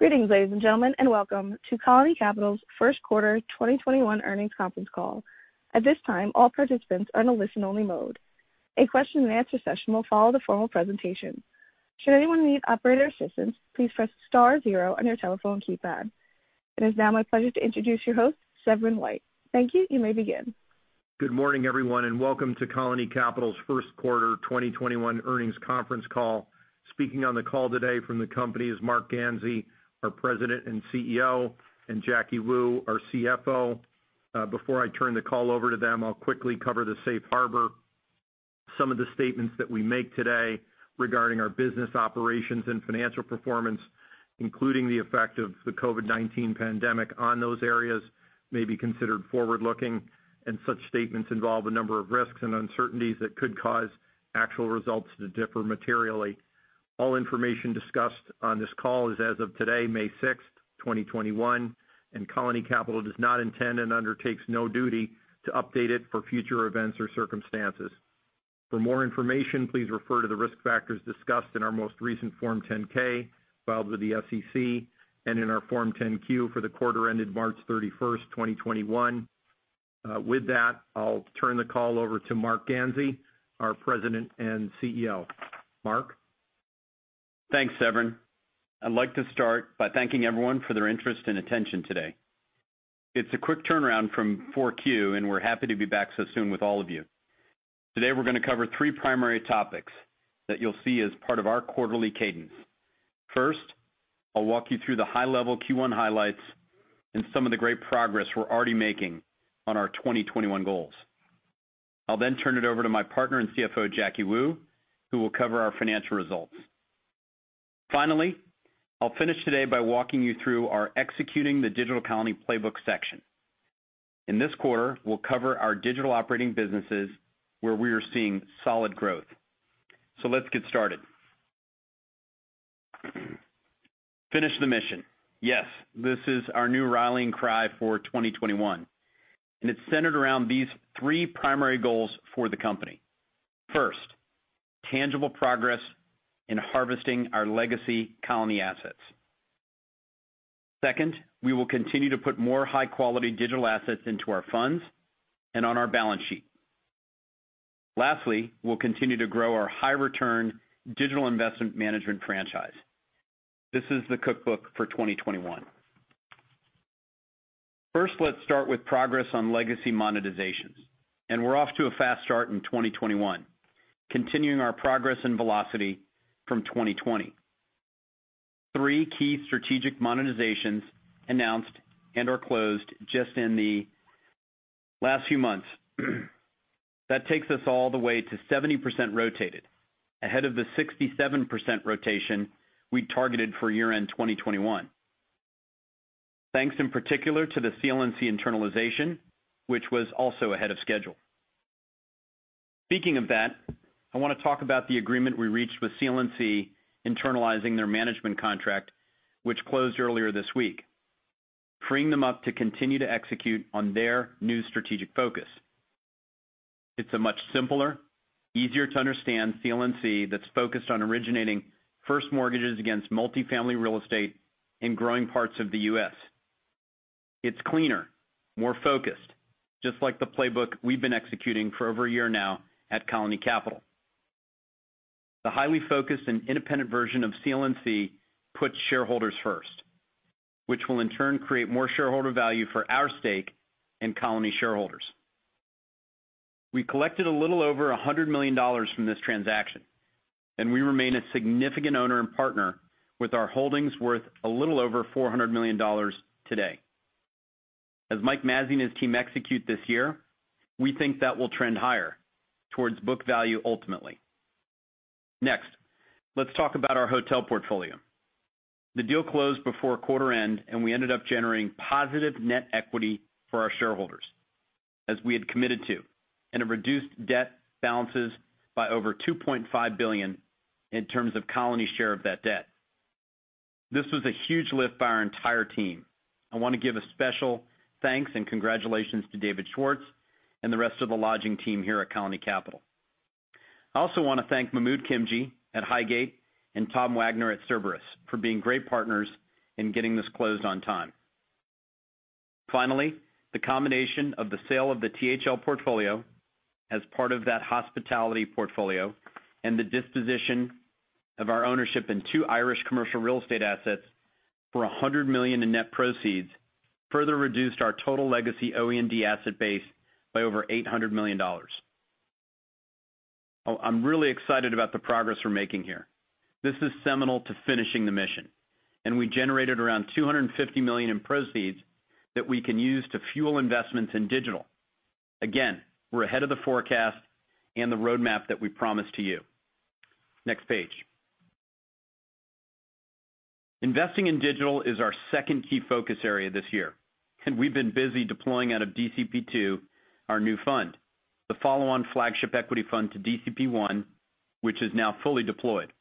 Greetings, ladies and gentlemen, and welcome to Colony Capital's Q1 2021 earnings conference call. At this time, all participants are in a listen-only mode. A question and answer session will follow the formal presentation. Should anyone need operator assistance, please press star zero on your telephone keypad. It is now my pleasure to introduce your host, Severin White. Thank you. You may begin. Good morning, everyone, and welcome to Colony Capital's Q1 2021 earnings conference call. Speaking on the call today from the company is Marc Ganzi, our President and CEO, and Jacky Wu, our CFO. Before I turn the call over to them, I'll quickly cover the safe harbor. Some of the statements that we make today regarding our business operations and financial performance, including the effect of the COVID-19 pandemic on those areas, may be considered forward-looking, and such statements involve a number of risks and uncertainties that could cause actual results to differ materially. All information discussed on this call is as of today, May 6th, 2021, and Colony Capital does not intend and undertakes no duty to update it for future events or circumstances. For more information, please refer to the risk factors discussed in our most recent Form 10-K filed with the SEC and in our Form 10-Q for the quarter ended March 31st, 2021. With that, I'll turn the call over to Marc Ganzi, our President and CEO. Marc? Thanks, Severin. I'd like to start by thanking everyone for their interest and attention today. It's a quick turnaround from 4Q, and we're happy to be back so soon with all of you. Today, we're going to cover three primary topics that you'll see as part of our quarterly cadence. First, I'll walk you through the high-level Q1 highlights and some of the great progress we're already making on our 2021 goals. I'll then turn it over to my partner and CFO, Jacky Wu, who will cover our financial results. Finally, I'll finish today by walking you through our Executing the Digital Colony Playbook section. In this quarter, we'll cover our digital operating businesses where we are seeing solid growth. Let's get started. Finish the mission. Yes, this is our new rallying cry for 2021, and it's centered around these three primary goals for the company. First, tangible progress in harvesting our legacy Colony assets. Second, we will continue to put more high-quality digital assets into our funds and on our balance sheet. Lastly, we'll continue to grow our high-return digital investment management franchise. This is the cookbook for 2021. First, let's start with progress on legacy monetizations. We're off to a fast start in 2021, continuing our progress and velocity from 2020. Three key strategic monetizations announced and/or closed just in the last few months. That takes us all the way to 70% rotated, ahead of the 67% rotation we targeted for year-end 2021. Thanks in particular to the CLNC internalization, which was also ahead of schedule. Speaking of that, I want to talk about the agreement we reached with CLNC internalizing their management contract, which closed earlier this week, freeing them up to continue to execute on their new strategic focus. It's a much simpler, easier to understand CLNC that's focused on originating first mortgages against multi-family real estate in growing parts of the U.S. It's cleaner, more focused, just like the playbook we've been executing for over a year now at Colony Capital. The highly focused and independent version of CLNC puts shareholders first, which will in turn create more shareholder value for our stake and Colony shareholders. We collected a little over $100 million from this transaction, and we remain a significant owner and partner with our holdings worth a little over $400 million today. As Mike Mazzei and his team execute this year, we think that will trend higher towards book value ultimately. Next, let's talk about our hotel portfolio. The deal closed before quarter end. We ended up generating positive net equity for our shareholders, as we had committed to. It reduced debt balances by over $2.5 billion in terms of Colony's share of that debt. This was a huge lift by our entire team. I want to give a special thanks and congratulations to David Schwartz and the rest of the lodging team here at Colony Capital. I also want to thank Mahmood Khimji at Highgate and Tom Wagner at Cerberus for being great partners in getting this closed on time. The combination of the sale of the THL portfolio as part of that hospitality portfolio and the disposition of our ownership in two Irish commercial real estate assets for $100 million in net proceeds further reduced our total legacy OED asset base by over $800 million. I'm really excited about the progress we're making here. This is seminal to finishing the mission. We generated around $250 million in proceeds that we can use to fuel investments in digital. Again, we're ahead of the forecast and the roadmap that we promised to you. Next page. Investing in digital is our second key focus area this year. We've been busy deploying out of DCP II, our new fund, the follow-on flagship equity fund to DCP I, which is now fully deployed.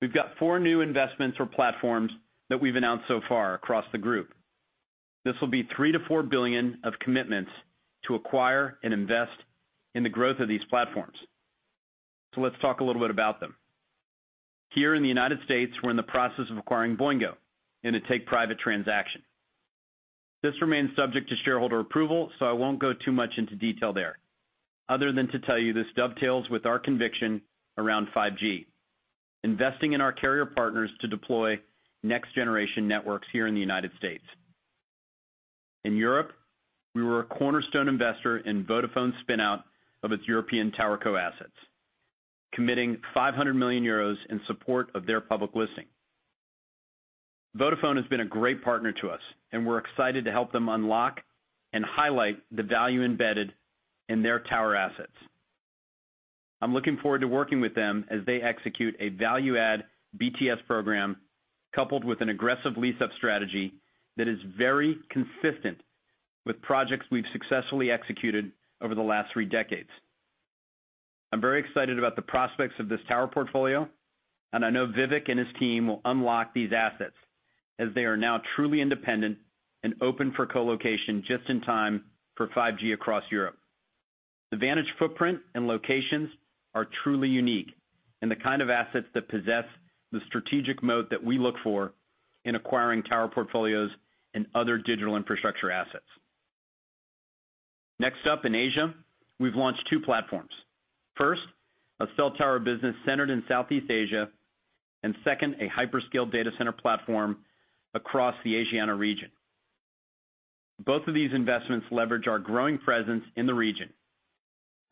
We've got four new investments or platforms that we've announced so far across the group. This will be $3 billion-$4 billion of commitments to acquire and invest in the growth of these platforms. Let's talk a little bit about them. Here in the U.S., we're in the process of acquiring Boingo in a take-private transaction. This remains subject to shareholder approval. I won't go too much into detail there, other than to tell you this dovetails with our conviction around 5G, investing in our carrier partners to deploy next-generation networks here in the U.S. In Europe, we were a cornerstone investor in Vodafone's spin-out of its European tower co-assets, committing 500 million euros in support of their public listing. Vodafone has been a great partner to us, and we're excited to help them unlock and highlight the value embedded in their tower assets. I'm looking forward to working with them as they execute a value-add BTS program, coupled with an aggressive lease-up strategy that is very consistent with projects we've successfully executed over the last three decades. I know Vivek and his team will unlock these assets as they are now truly independent and open for co-location just in time for 5G across Europe. The Vantage footprint and locations are truly unique and the kind of assets that possess the strategic moat that we look for in acquiring tower portfolios and other digital infrastructure assets. Next up, in Asia, we've launched two platforms. First, a cell tower business centered in Southeast Asia, and second, a hyperscale data center platform across the Asian region. Both of these investments leverage our growing presence in the region.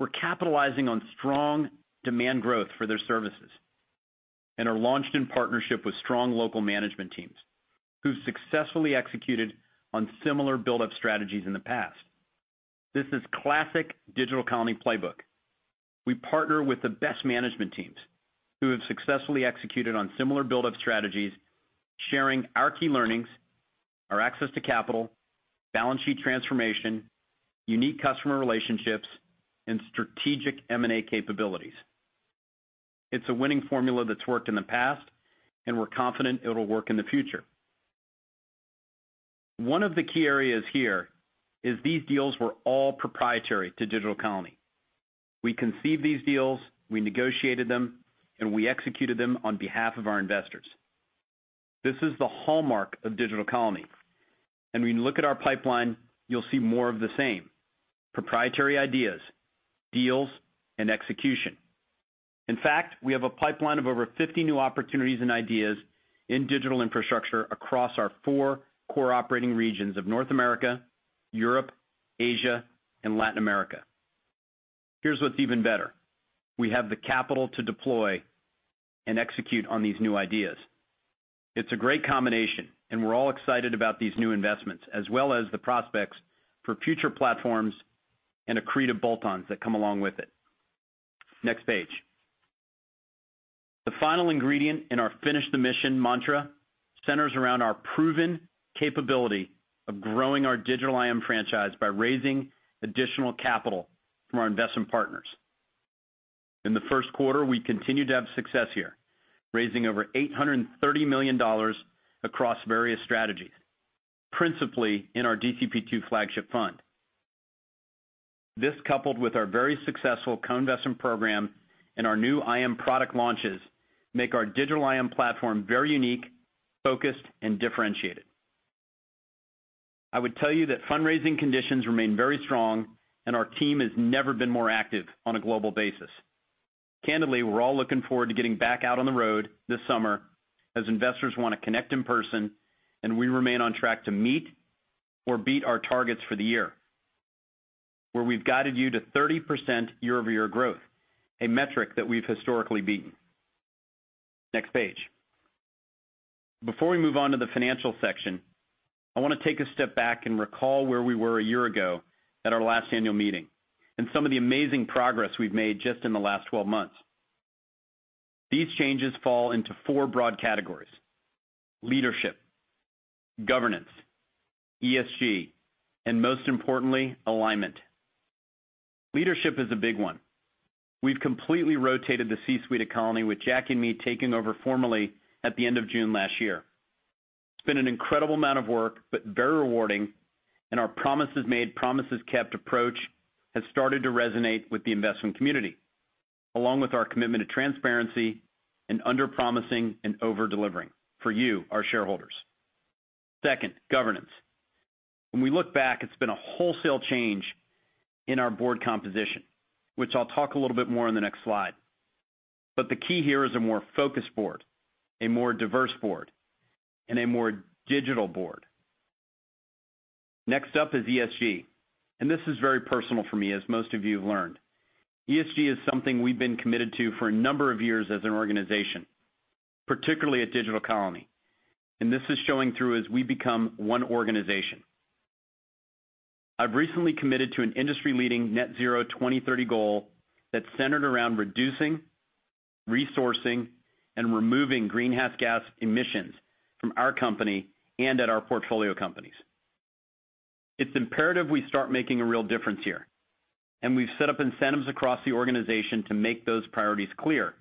We're capitalizing on strong demand growth for their services and are launched in partnership with strong local management teams who've successfully executed on similar buildup strategies in the past. This is classic Digital Colony playbook. We partner with the best management teams who have successfully executed on similar buildup strategies, sharing our key learnings, our access to capital, balance sheet transformation, unique customer relationships, and strategic M&A capabilities. It's a winning formula that's worked in the past, and we're confident it'll work in the future. One of the key areas here is these deals were all proprietary to Digital Colony. We conceived these deals, we negotiated them, and we executed them on behalf of our investors. This is the hallmark of Digital Colony, and when you look at our pipeline, you'll see more of the same: proprietary ideas, deals, and execution. In fact, we have a pipeline of over 50 new opportunities and ideas in digital infrastructure across our four core operating regions of North America, Europe, Asia, and Latin America. Here's what's even better. We have the capital to deploy and execute on these new ideas. It's a great combination, we're all excited about these new investments, as well as the prospects for future platforms and accretive bolt-ons that come along with it. Next page. The final ingredient in our Finish the Mission mantra centers around our proven capability of growing our Digital IM franchise by raising additional capital from our investment partners. In the Q1, we continued to have success here, raising over $830 million across various strategies, principally in our DCP II flagship fund. This, coupled with our very successful co-investment program and our new IM product launches, make our Digital IM platform very unique, focused, and differentiated. I would tell you that fundraising conditions remain very strong, our team has never been more active on a global basis. Candidly, we're all looking forward to getting back out on the road this summer as investors want to connect in person, and we remain on track to meet or beat our targets for the year, where we've guided you to 30% year-over-year growth, a metric that we've historically beaten. Next page. Before we move on to the financial section, I want to take a step back and recall where we were a year ago at our last annual meeting and some of the amazing progress we've made just in the last 12 months. These changes fall into four broad categories: leadership, governance, ESG, and most importantly, alignment. Leadership is a big one. We've completely rotated the C-suite at Colony, with Jacky and me taking over formally at the end of June last year. It's been an incredible amount of work, but very rewarding. Our promises made, promises kept approach has started to resonate with the investment community, along with our commitment to transparency and under-promising and over-delivering for you, our shareholders. Second, governance. When we look back, it's been a wholesale change in our board composition, which I'll talk a little bit more on in the next slide. The key here is a more focused board, a more diverse board, and a more digital board. Next up is ESG. This is very personal for me, as most of you have learned. ESG is something we've been committed to for a number of years as an organization, particularly at Digital Colony. This is showing through as we become one organization. I've recently committed to an industry-leading Net Zero 2030 goal that's centered around reducing, resourcing, and removing greenhouse gas emissions from our company and at our portfolio companies. It's imperative we start making a real difference here. We've set up incentives across the organization to make those priorities clear.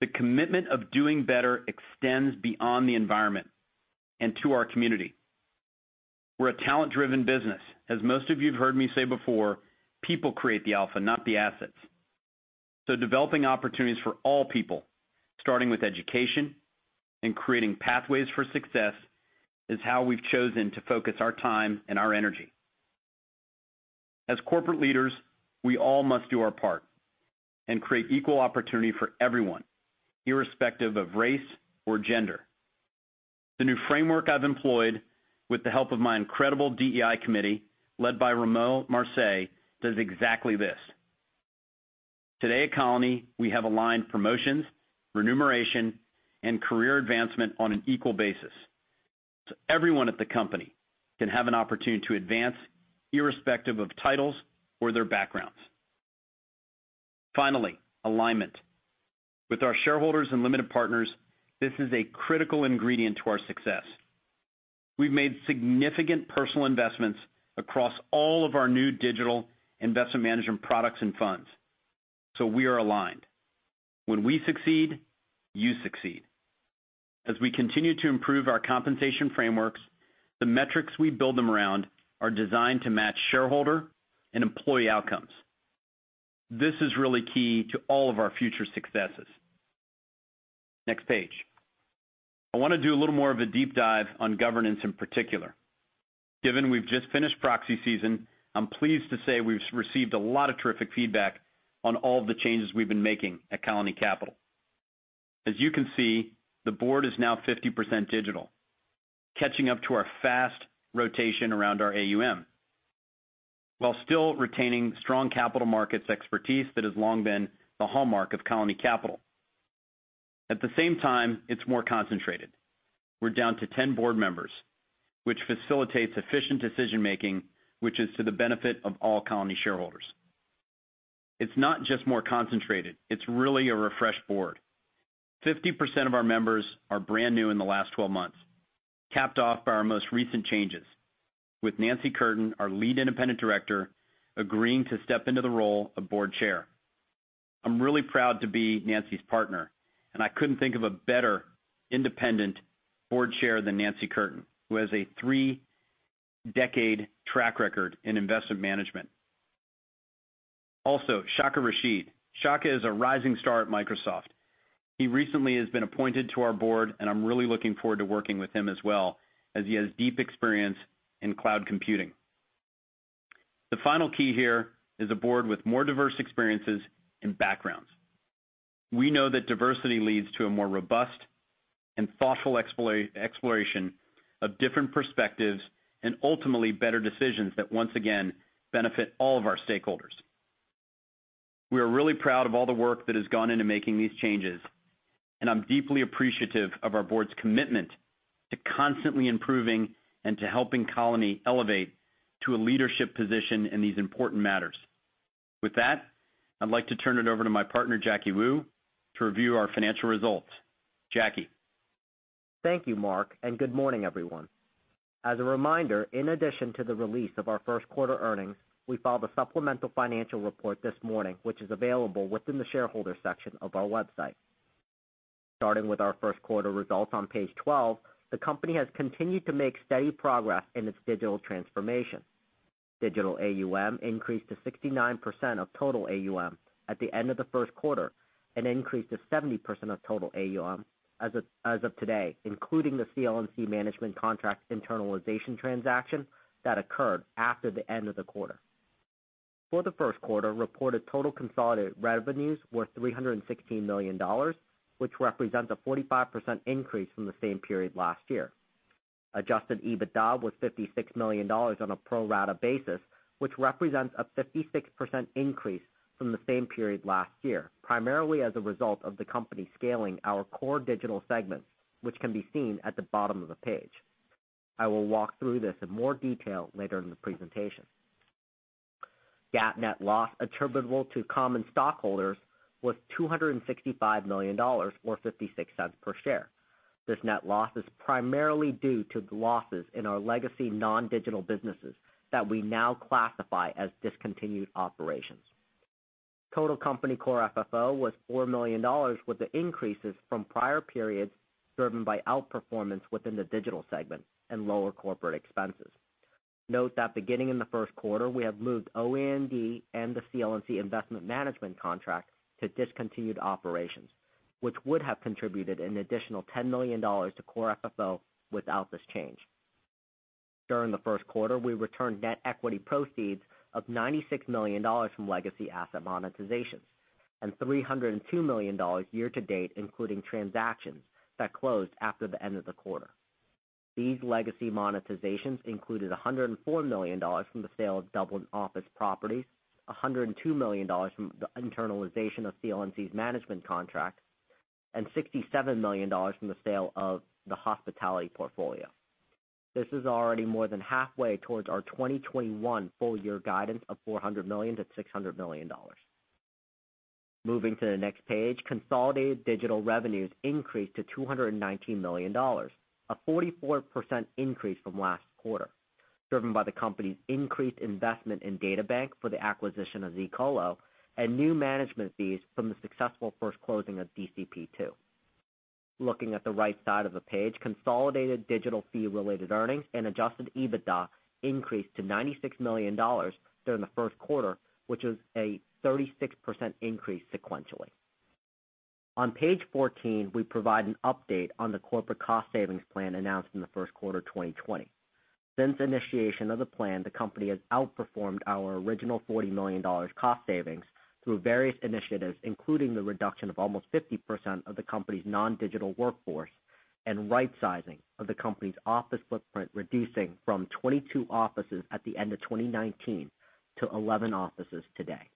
The commitment of doing better extends beyond the environment and to our community. We're a talent-driven business. As most of you have heard me say before, people create the alpha, not the assets. Developing opportunities for all people, starting with education and creating pathways for success, is how we've chosen to focus our time and our energy. As corporate leaders, we all must do our part and create equal opportunity for everyone, irrespective of race or gender. The new framework I've employed with the help of my incredible DEI committee, led by Rommel A. Marseille, does exactly this. Today at Colony, we have aligned promotions, remuneration, and career advancement on an equal basis so everyone at the company can have an opportunity to advance irrespective of titles or their backgrounds. Finally, alignment. With our shareholders and limited partners, this is a critical ingredient to our success. We've made significant personal investments across all of our new digital investment management products and funds. We are aligned. When we succeed, you succeed. As we continue to improve our compensation frameworks, the metrics we build them around are designed to match shareholder and employee outcomes. This is really key to all of our future successes. Next page. I want to do a little more of a deep dive on governance in particular. Given we've just finished proxy season, I'm pleased to say we've received a lot of terrific feedback on all the changes we've been making at Colony Capital. As you can see, the board is now 50% digital, catching up to our fast rotation around our AUM, while still retaining strong capital markets expertise that has long been the hallmark of Colony Capital. At the same time, it's more concentrated. We're down to 10 board members, which facilitates efficient decision-making, which is to the benefit of all Colony shareholders. It's not just more concentrated, it's really a refreshed board. 50% of our members are brand new in the last 12 months, capped off by our most recent changes with Nancy Curtin, our Lead Independent Director, agreeing to step into the role of Board Chair. I'm really proud to be Nancy's partner. I couldn't think of a better independent board chair than Nancy Curtin, who has a three-decade track record in investment management. Also, Sháka Rasheed. Sháka is a rising star at Microsoft. He recently has been appointed to our board, and I'm really looking forward to working with him as well, as he has deep experience in cloud computing. The final key here is a board with more diverse experiences and backgrounds. We know that diversity leads to a more robust and thoughtful exploration of different perspectives, and ultimately better decisions that, once again, benefit all of our stakeholders. We are really proud of all the work that has gone into making these changes, and I'm deeply appreciative of our board's commitment to constantly improving and to helping Colony elevate to a leadership position in these important matters. With that, I'd like to turn it over to my partner, Jacky Wu, to review our financial results. Jacky. Thank you, Marc, and good morning, everyone. As a reminder, in addition to the release of our Q1 earnings, we filed a supplemental financial report this morning, which is available within the Shareholders section of our website. Starting with our Q1 results on page 12, the company has continued to make steady progress in its digital transformation. Digital AUM increased to 69% of total AUM at the end of the Q1, an increase to 70% of total AUM as of today, including the CLNC management contract internalization transaction that occurred after the end of the quarter. For the Q1, reported total consolidated revenues were $316 million, which represents a 45% increase from the same period last year. Adjusted EBITDA was $56 million on a pro rata basis, which represents a 56% increase from the same period last year, primarily as a result of the company scaling our core digital segments, which can be seen at the bottom of the page. I will walk through this in more detail later in the presentation. GAAP net loss attributable to common stockholders was $265 million, or $0.56 per share. This net loss is primarily due to the losses in our legacy non-digital businesses that we now classify as discontinued operations. Total company core FFO was $4 million, with the increases from prior periods driven by outperformance within the digital segment and lower corporate expenses. Note that beginning in the Q1, we have moved OED and the CLNC investment management contract to discontinued operations, which would have contributed an additional $10 million to core FFO without this change. During the Q1, we returned net equity proceeds of $96 million from legacy asset monetizations and $302 million year-to-date, including transactions that closed after the end of the quarter. These legacy monetizations included $104 million from the sale of Dublin office properties, $102 million from the internalization of CLNC's management contract, and $67 million from the sale of the hospitality portfolio. This is already more than halfway towards our 2021 full year guidance of $400 million-$600 million. Moving to the next page, consolidated digital revenues increased to $219 million, a 44% increase from last quarter, driven by the company's increased investment in DataBank for the acquisition of zColo and new management fees from the successful first closing of DCP II. Looking at the right side of the page, consolidated digital fee related earnings and adjusted EBITDA increased to $96 million during the Q1, which was a 36% increase sequentially. On page 14, we provide an update on the corporate cost savings plan announced in the Q1 of 2020. Since initiation of the plan, the company has outperformed our original $40 million cost savings through various initiatives, including the reduction of almost 50% of the company's non-digital workforce and rightsizing of the company's office footprint, reducing from 22 offices at the end of 2019 to 11 offices today.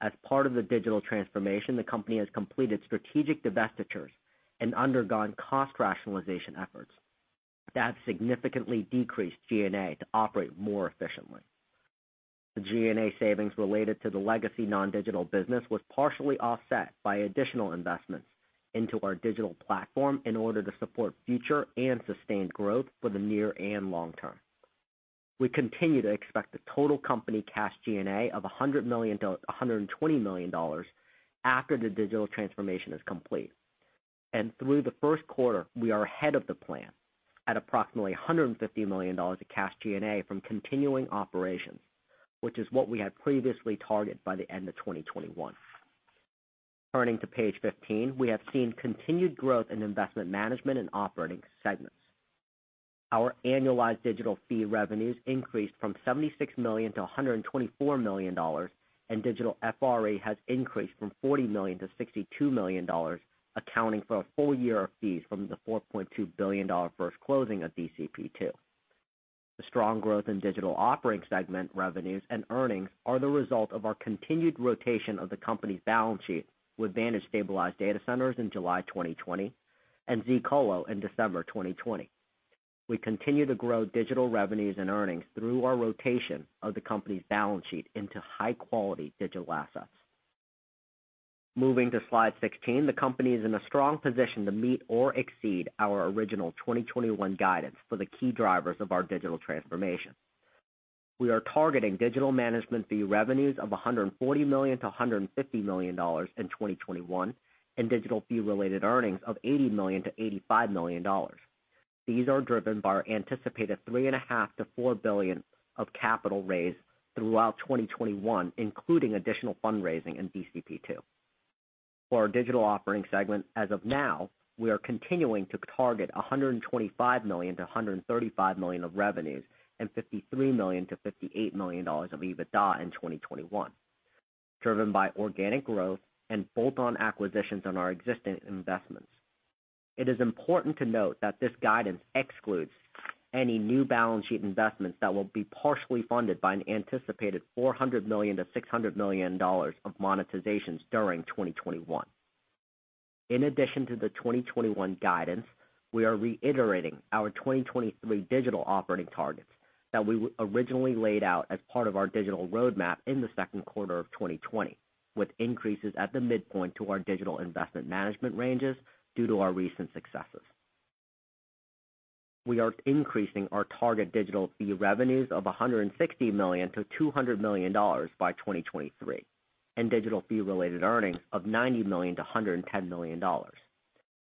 As part of the digital transformation, the company has completed strategic divestitures and undergone cost rationalization efforts that have significantly decreased G&A to operate more efficiently. The G&A savings related to the legacy non-digital business was partially offset by additional investments into our digital platform in order to support future and sustained growth for the near and long term. We continue to expect a total company cash G&A of $120 million after the digital transformation is complete. Through the Q1, we are ahead of the plan at approximately $150 million of cash G&A from continuing operations, which is what we had previously targeted by the end of 2021. Turning to page 15, we have seen continued growth in investment management and operating segments. Our annualized digital fee revenues increased from $76 million-$124 million, and digital FRE has increased from $40 million-$62 million, accounting for a full year of fees from the $4.2 billion first closing of DCP II. The strong growth in digital operating segment revenues and earnings are the result of our continued rotation of the company's balance sheet with Vantage Stabilized Data Centers in July 2020 and zColo in December 2020. We continue to grow digital revenues and earnings through our rotation of the company's balance sheet into high-quality digital assets. Moving to slide 16, the company is in a strong position to meet or exceed our original 2021 guidance for the key drivers of our digital transformation. We are targeting digital management fee revenues of $140 million-$150 million in 2021 and digital fee-related earnings of $80 million-$85 million. These are driven by our anticipated $3.5 billion-$4 billion of capital raised throughout 2021, including additional fundraising in DCP II. For our digital operating segment, as of now, we are continuing to target $125 million-$135 million of revenues and $53 million-$58 million of EBITDA in 2021, driven by organic growth and bolt-on acquisitions on our existing investments. It is important to note that this guidance excludes any new balance sheet investments that will be partially funded by an anticipated $400 million-$600 million of monetizations during 2021. In addition to the 2021 guidance, we are reiterating our 2023 digital operating targets that we originally laid out as part of our digital roadmap in the Q2 of 2020, with increases at the midpoint to our digital investment management ranges due to our recent successes. We are increasing our target digital fee revenues of $160 million-$200 million by 2023, and digital fee-related earnings of $90 million-$110 million.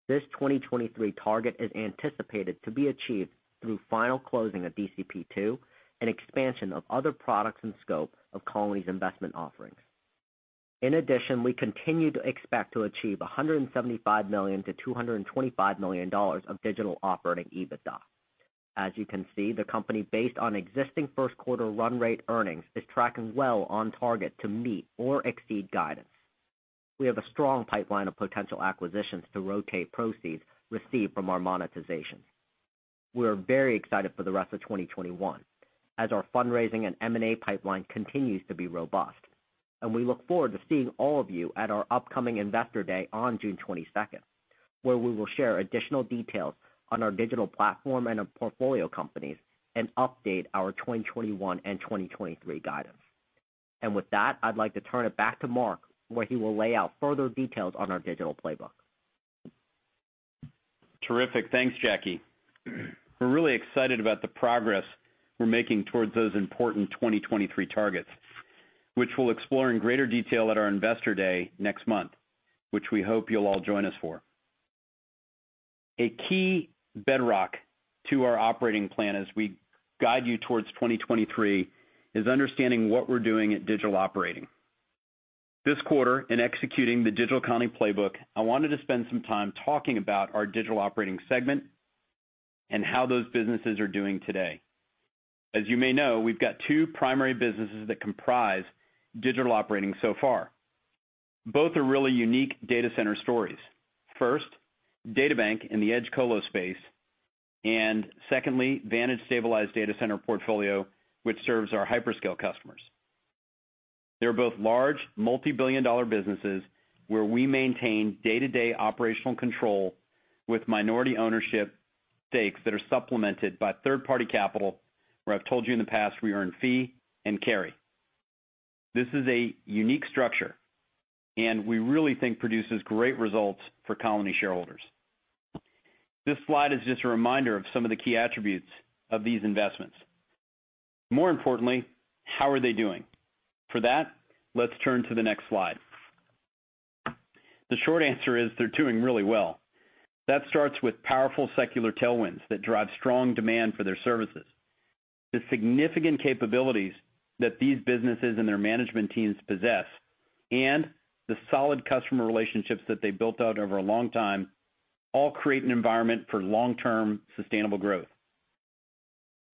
This 2023 target is anticipated to be achieved through final closing of DCP II and expansion of other products and scope of Colony's investment offerings. In addition, we continue to expect to achieve $175 million-$225 million of digital operating EBITDA. As you can see, the company, based on existing Q1 run rate earnings, is tracking well on target to meet or exceed guidance. We have a strong pipeline of potential acquisitions to rotate proceeds received from our monetization. We are very excited for the rest of 2021, as our fundraising and M&A pipeline continues to be robust. We look forward to seeing all of you at our upcoming Investor Day on June 22nd, where we will share additional details on our digital platform and our portfolio companies and update our 2021 and 2023 guidance. With that, I'd like to turn it back to Marc, where he will lay out further details on our digital playbook. Terrific. Thanks, Jacky. We're really excited about the progress we're making towards those important 2023 targets, which we'll explore in greater detail at our Investor Day next month, which we hope you'll all join us for. A key bedrock to our operating plan as we guide you towards 2023 is understanding what we're doing at Digital Operating. This quarter, in executing the Digital Colony playbook, I wanted to spend some time talking about our Digital Operating segment and how those businesses are doing today. As you may know, we've got two primary businesses that comprise Digital Operating so far. Both are really unique data center stories. First, DataBank in the edge colo space, and secondly, Vantage Stabilized Data Centers portfolio, which serves our hyperscale customers. They're both large, multi-billion-dollar businesses where we maintain day-to-day operational control with minority ownership stakes that are supplemented by third-party capital, where I've told you in the past, we earn fee and carry. This is a unique structure, and we really think produces great results for Colony shareholders. This slide is just a reminder of some of the key attributes of these investments. More importantly, how are they doing? For that, let's turn to the next slide. The short answer is they're doing really well. That starts with powerful secular tailwinds that drive strong demand for their services. The significant capabilities that these businesses and their management teams possess, and the solid customer relationships that they built out over a long time, all create an environment for long-term sustainable growth.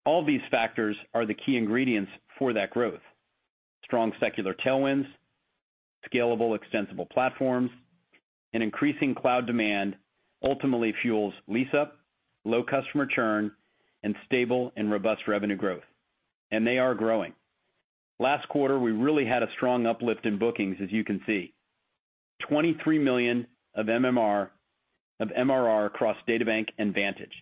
All these factors are the key ingredients for that growth. Strong secular tailwinds, scalable, extensible platforms, and increasing cloud demand ultimately fuels lease-up, low customer churn, and stable and robust revenue growth. They are growing. Last quarter, we really had a strong uplift in bookings, as you can see. 23 million of MRR across DataBank and Vantage.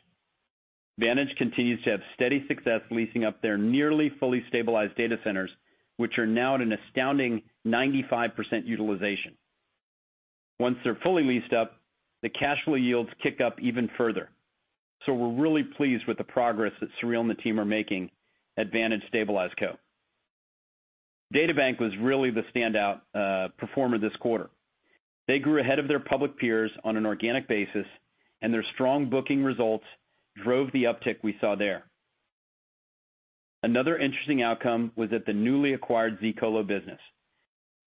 Vantage continues to have steady success leasing up their nearly fully stabilized data centers, which are now at an astounding 95% utilization. Once they're fully leased up, the cash flow yields kick up even further. We're really pleased with the progress that Sureel and the team are making at Vantage Stabilized Co. DataBank was really the standout performer this quarter. They grew ahead of their public peers on an organic basis, and their strong booking results drove the uptick we saw there. Another interesting outcome was at the newly acquired zColo business,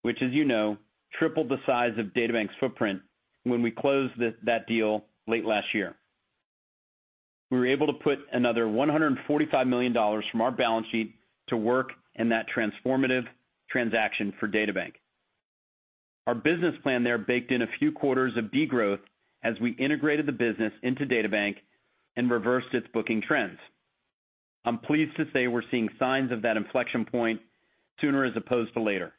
which as you know, tripled the size of DataBank's footprint when we closed that deal late last year. We were able to put another $145 million from our balance sheet to work in that transformative transaction for DataBank. Our business plan there baked in a few quarters of de-growth as we integrated the business into DataBank and reversed its booking trends. I'm pleased to say we're seeing signs of that inflection point sooner as opposed to later.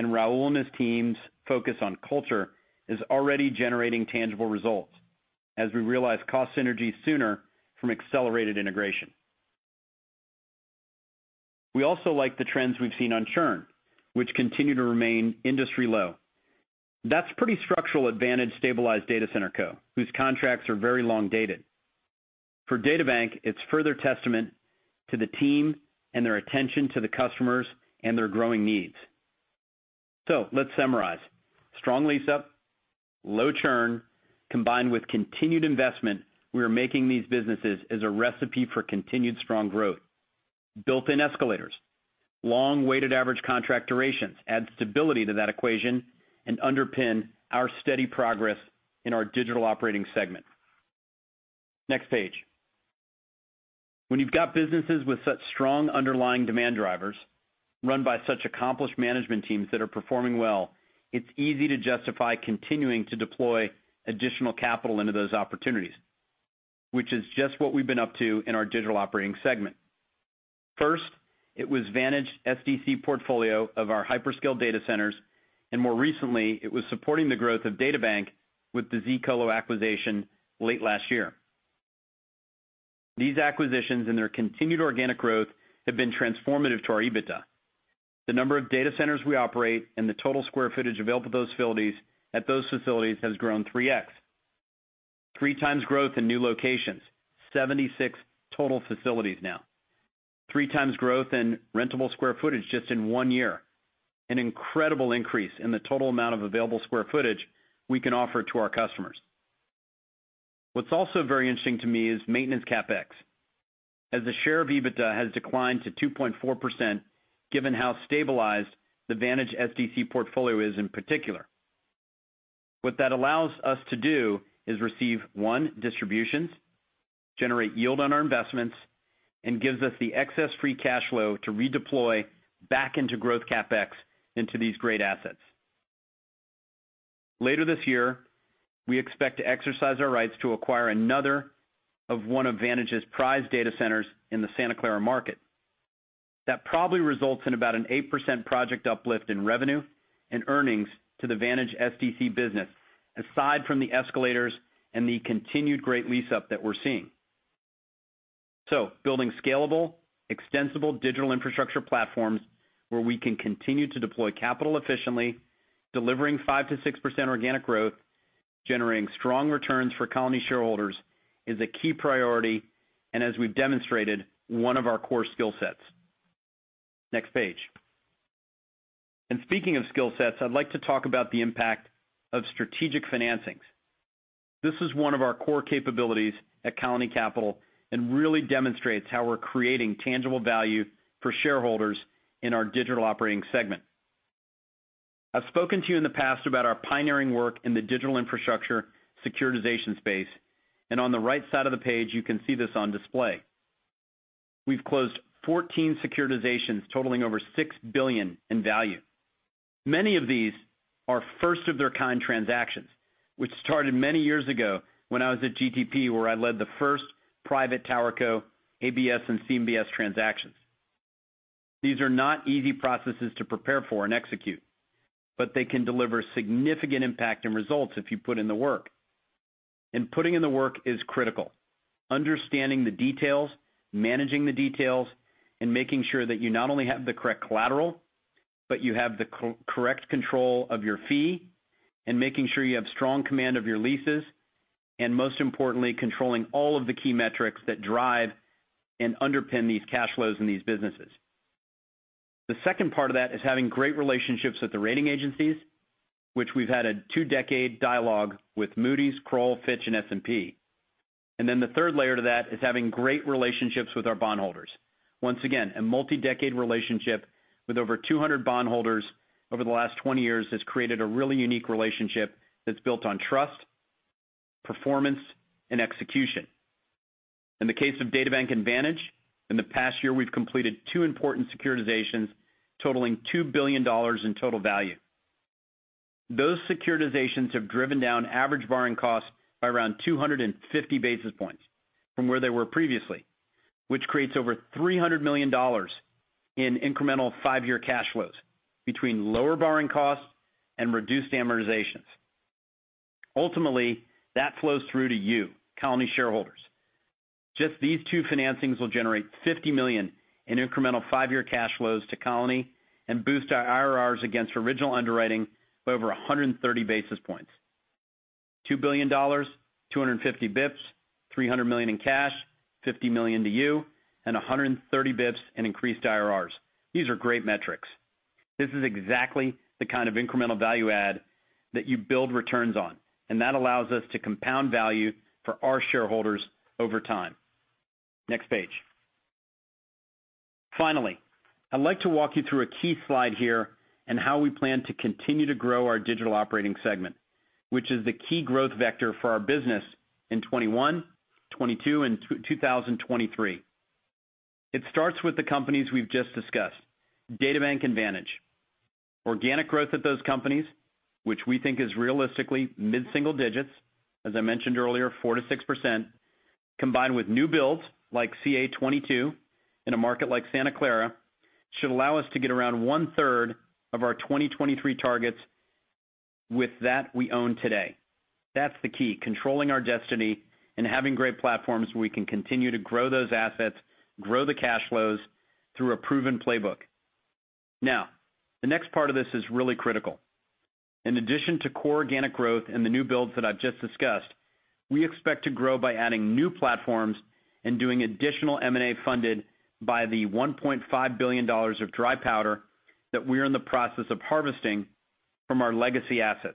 Raul and his team's focus on culture is already generating tangible results as we realize cost synergy sooner from accelerated integration. We also like the trends we've seen on churn, which continue to remain industry low. That's pretty structural advantage Stabilized Data Center Co, whose contracts are very long dated. For DataBank, it's further testament to the team and their attention to the customers and their growing needs. Let's summarize. Strong lease-up, low churn, combined with continued investment we are making these businesses is a recipe for continued strong growth. Built-in escalators, long weighted average contract durations add stability to that equation and underpin our steady progress in our Digital Operating segment. Next page. When you've got businesses with such strong underlying demand drivers run by such accomplished management teams that are performing well, it's easy to justify continuing to deploy additional capital into those opportunities. Which is just what we've been up to in our Digital Operating segment. First, it was Vantage SDC portfolio of our hyperscale data centers, and more recently, it was supporting the growth of DataBank with the zColo acquisition late last year. These acquisitions and their continued organic growth have been transformative to our EBITDA. The number of data centers we operate and the total square footage available at those facilities has grown 3x. Three times growth in new locations, 76 total facilities now. Three times growth in rentable square footage just in one year. An incredible increase in the total amount of available square footage we can offer to our customers. What's also very interesting to me is maintenance CapEx. As the share of EBITDA has declined to 2.4% given how stabilized the Vantage SDC portfolio is in particular. What that allows us to do is receive, one, distributions, generate yield on our investments, and gives us the excess free cash flow to redeploy back into growth CapEx into these great assets. Later this year, we expect to exercise our rights to acquire another of one of Vantage's prize data centers in the Santa Clara market. That probably results in about an 8% project uplift in revenue and earnings to the Vantage SDC business, aside from the escalators and the continued great lease-up that we're seeing. Building scalable, extensible digital infrastructure platforms where we can continue to deploy capital efficiently, delivering 5%-6% organic growth, generating strong returns for Colony shareholders is a key priority, and as we've demonstrated, one of our core skill sets. Next page. Speaking of skill sets, I'd like to talk about the impact of strategic financings. This is one of our core capabilities at Colony Capital and really demonstrates how we're creating tangible value for shareholders in our Digital Operating Segment. I've spoken to you in the past about our pioneering work in the digital infrastructure securitization space, and on the right side of the page, you can see this on display. We've closed 14 securitizations totaling over $6 billion in value. Many of these are first-of-their-kind transactions, which started many years ago when I was at GTP, where I led the first private tower co ABS and CMBS transactions. These are not easy processes to prepare for and execute, but they can deliver significant impact and results if you put in the work. Putting in the work is critical. Understanding the details, managing the details, and making sure that you not only have the correct collateral, but you have the correct control of your fee, and making sure you have strong command of your leases, and most importantly, controlling all of the key metrics that drive and underpin these cash flows in these businesses. The second part of that is having great relationships with the rating agencies, which we've had a two-decade dialogue with Moody's, Kroll, Fitch, and S&P. The third layer to that is having great relationships with our bondholders. Once again, a multi-decade relationship with over 200 bondholders over the last 20 years has created a really unique relationship that's built on trust, performance, and execution. In the case of DataBank and Vantage, in the past year, we've completed two important securitizations totaling $2 billion in total value. Those securitizations have driven down average borrowing costs by around 250 basis points from where they were previously, which creates over $300 million in incremental five-year cash flows between lower borrowing costs and reduced amortizations. Ultimately, that flows through to you, Colony shareholders. Just these two financings will generate $50 million in incremental five-year cash flows to Colony and boost our IRRs against original underwriting by over 130 basis points. $2 billion, 250 basis points, $300 million in cash, $50 million to you, 130 basis points in increased IRRs. These are great metrics. This is exactly the kind of incremental value add that you build returns on, that allows us to compound value for our shareholders over time. Next page. Finally, I'd like to walk you through a key slide here and how we plan to continue to grow our digital operating segment, which is the key growth vector for our business in 2021, 2022, and 2023. It starts with the companies we've just discussed, DataBank and Vantage. Organic growth at those companies, which we think is realistically mid-single digits, as I mentioned earlier, 4%-6%, combined with new builds like CA22 in a market like Santa Clara, should allow us to get around one-third of our 2023 targets with that we own today. That's the key, controlling our destiny and having great platforms where we can continue to grow those assets, grow the cash flows through a proven playbook. The next part of this is really critical. In addition to core organic growth and the new builds that I've just discussed, we expect to grow by adding new platforms and doing additional M&A funded by the $1.5 billion of dry powder that we're in the process of harvesting from our legacy assets.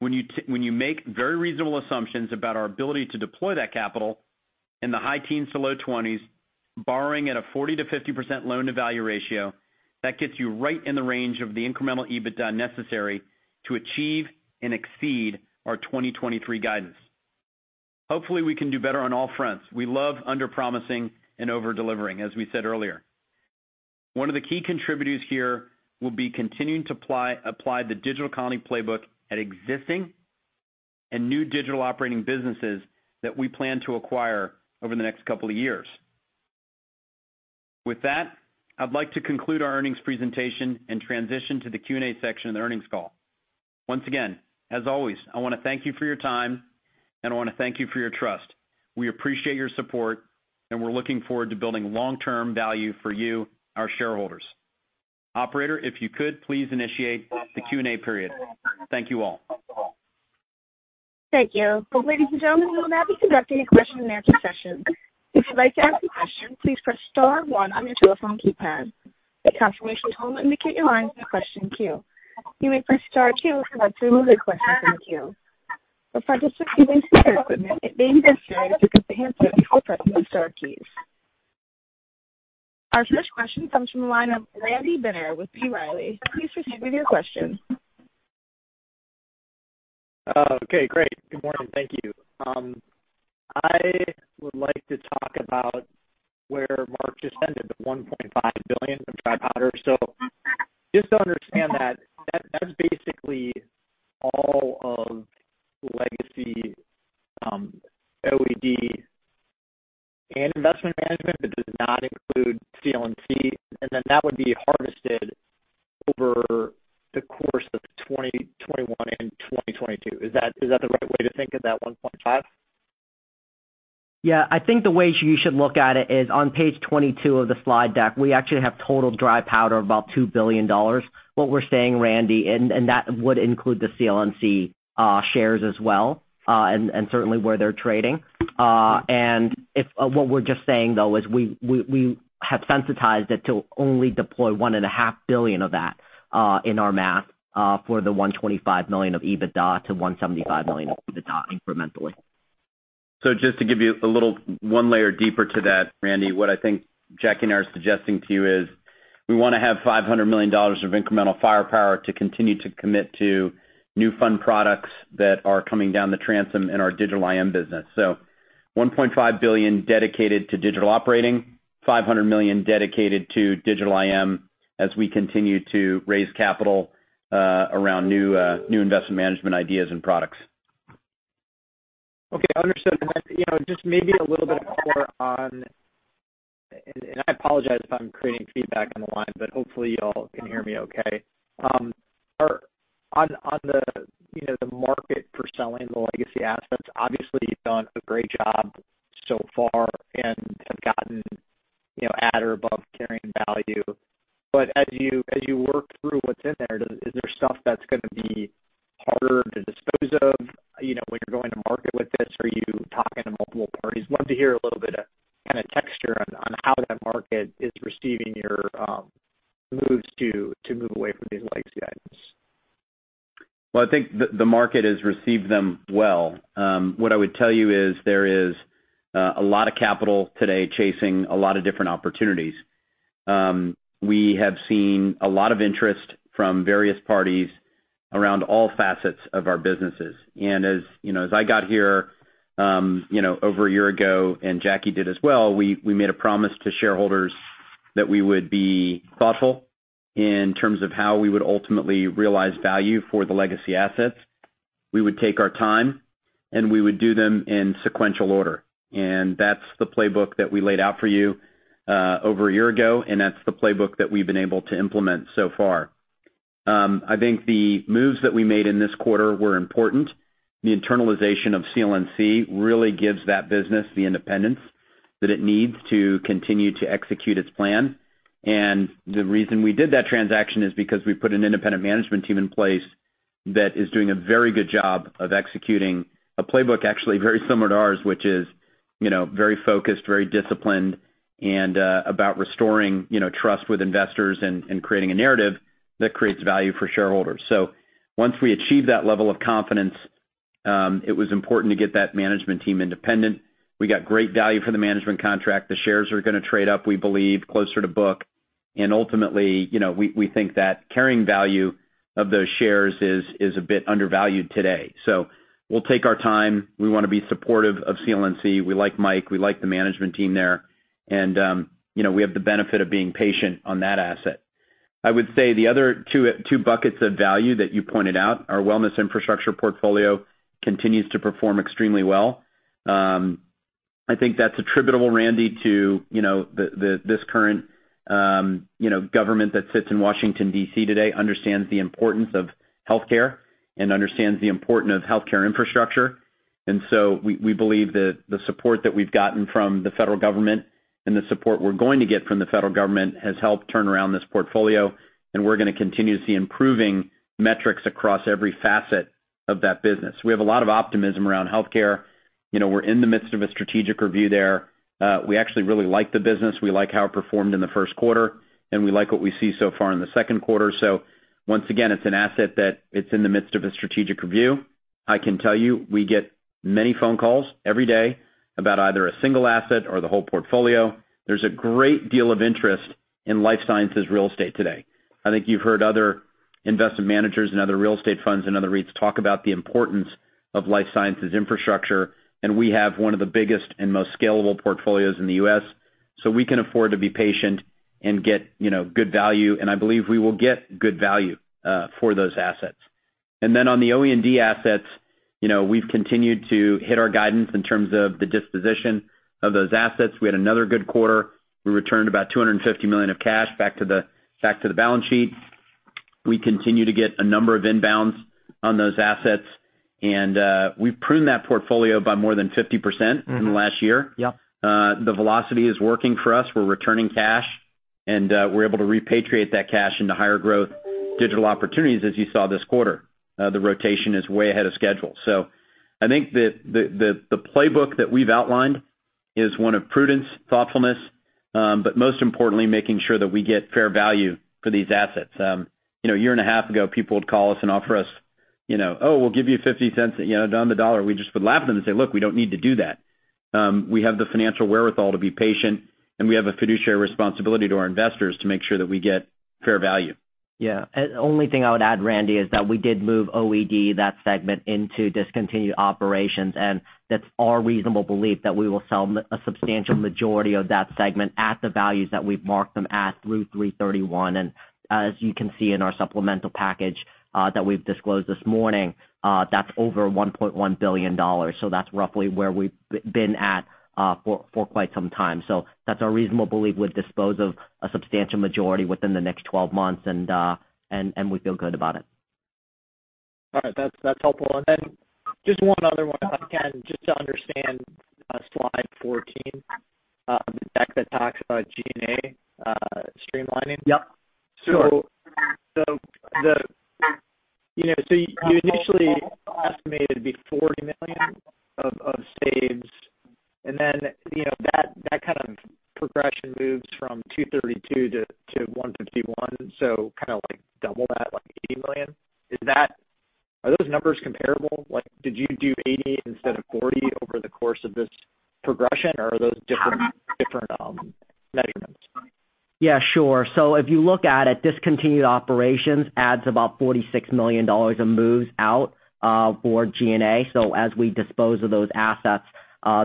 When you make very reasonable assumptions about our ability to deploy that capital in the high teens to low 20s, borrowing at a 40%-50% loan-to-value ratio, that gets you right in the range of the incremental EBITDA necessary to achieve and exceed our 2023 guidance. Hopefully, we can do better on all fronts. We love underpromising and over-delivering, as we said earlier. One of the key contributors here will be continuing to apply the DigitalBridge playbook at existing and new digital operating businesses that we plan to acquire over the next couple of years. With that, I'd like to conclude our earnings presentation and transition to the Q&A section of the earnings call. Once again, as always, I want to thank you for your time, and I want to thank you for your trust. We appreciate your support, and we're looking forward to building long-term value for you, our shareholders. Operator, if you could, please initiate the Q&A period. Thank you, all. Thank you. Ladies and gentlemen, we will now be conducting a question and answer session. Our first question comes from the line of Randy Binner with B. Riley. Please proceed with your question. Okay, great. Good morning. Thank you. I would like to talk about where Marc just ended, the $1.5 billion of dry powder. Just to understand that's basically all of legacy OED and investment management, but does not include CLNC, and then that would be harvested over the course of 2021 and 2022. Is that the right way to think of that 1.5? Yeah. I think the way you should look at it is on page 22 of the slide deck, we actually have total dry powder of about $2 billion. What we're saying, Randy, and that would include the CLNC shares as well, and certainly where they're trading. What we're just saying, though, is we have sensitized it to only deploy $1.5 billion of that in our math for the $125 million-$175 million of EBITDA incrementally. Just to give you a little one layer deeper to that, Randy, what I think Jacky and I are suggesting to you is we want to have $500 million of incremental firepower to continue to commit to new fund products that are coming down the transom in our Digital IM business. $1.5 billion dedicated to Digital Operating, $500 million dedicated to Digital IM as we continue to raise capital around new investment management ideas and products. Okay, understood. Then just maybe a little bit more. I apologize if I'm creating feedback on the line, but hopefully y'all can hear me okay. On the market for selling the legacy assets, obviously you've done a great job so far and have gotten at or above carrying value. As you work through what's in there, is there stuff that's going to be harder to dispose of when you're going to market with this? Are you talking to multiple parties? Love to hear a little bit of kind of texture on how that market is receiving your moves to move away from these legacy items. Well, I think the market has received them well. What I would tell you is there is a lot of capital today chasing a lot of different opportunities. We have seen a lot of interest from various parties around all facets of our businesses. As I got here over a year ago, and Jacky did as well, we made a promise to shareholders that we would be thoughtful in terms of how we would ultimately realize value for the legacy assets. We would take our time, and we would do them in sequential order. That's the playbook that we laid out for you over a year ago, and that's the playbook that we've been able to implement so far. I think the moves that we made in this quarter were important. The internalization of CLNC really gives that business the independence that it needs to continue to execute its plan. The reason we did that transaction is because we put an independent management team in place that is doing a very good job of executing a playbook actually very similar to ours, which is very focused, very disciplined, and about restoring trust with investors and creating a narrative that creates value for shareholders. Once we achieved that level of confidence, it was important to get that management team independent. We got great value for the management contract. The shares are going to trade up, we believe, closer to book. Ultimately, we think that carrying value of those shares is a bit undervalued today. We'll take our time. We want to be supportive of CLNC. We like Mike, we like the management team there, and we have the benefit of being patient on that asset. I would say the other two buckets of value that you pointed out, our wellness infrastructure portfolio continues to perform extremely well. I think that's attributable, Randy, to this current government that sits in Washington, D.C. today, understands the importance of healthcare and understands the importance of healthcare infrastructure. We believe that the support that we've gotten from the federal government and the support we're going to get from the federal government has helped turn around this portfolio, and we're going to continue to see improving metrics across every facet of that business. We have a lot of optimism around healthcare. We're in the midst of a strategic review there. We actually really like the business. We like how it performed in the Q1, and we like what we see so far in the Q2. Once again, it's an asset that it's in the midst of a strategic review. I can tell you we get many phone calls every day about either a single asset or the whole portfolio. There's a great deal of interest in life sciences real estate today. I think you've heard other investment managers and other real estate funds and other REITs talk about the importance of life sciences infrastructure, and we have one of the biggest and most scalable portfolios in the U.S., so we can afford to be patient and get good value, and I believe we will get good value for those assets. On the OED assets, we've continued to hit our guidance in terms of the disposition of those assets. We had another good quarter. We returned about $250 million of cash back to the balance sheet. We continue to get a number of inbounds on those assets, and we've pruned that portfolio by more than 50% in the last year. Yep. The velocity is working for us. We're returning cash, and we're able to repatriate that cash into higher growth digital opportunities, as you saw this quarter. The rotation is way ahead of schedule. I think the playbook that we've outlined is one of prudence, thoughtfulness, but most importantly, making sure that we get fair value for these assets. A year and a half ago, people would call us and offer us, "Oh, we'll give you $0.50 on the dollar." We just would laugh at them and say, "Look, we don't need to do that." We have the financial wherewithal to be patient, and we have a fiduciary responsibility to our investors to make sure that we get fair value. Yeah. The only thing I would add, Randy, is that we did move OED, that segment, into discontinued operations, and that's our reasonable belief that we will sell a substantial majority of that segment at the values that we've marked them at through 3/31. As you can see in our supplemental package that we've disclosed this morning, that's over $1.1 billion. That's roughly where we've been at for quite some time. That's our reasonable belief we'd dispose of a substantial majority within the next 12 months, and we feel good about it. All right. That's helpful. Then just one other one, if I can, just to understand slide 14, the deck that talks about G&A streamlining. Yep. Sure. You initially estimated it'd be $40 million of saves, and then that kind of progression moves from $232-$151, so kind of like double that, like $80 million. Are those numbers comparable? Did you do 80 instead of 40 over the course of this progression, or are those different measurements? Yeah, sure. If you look at it, discontinued operations adds about $46 million of moves out for G&A. As we dispose of those assets.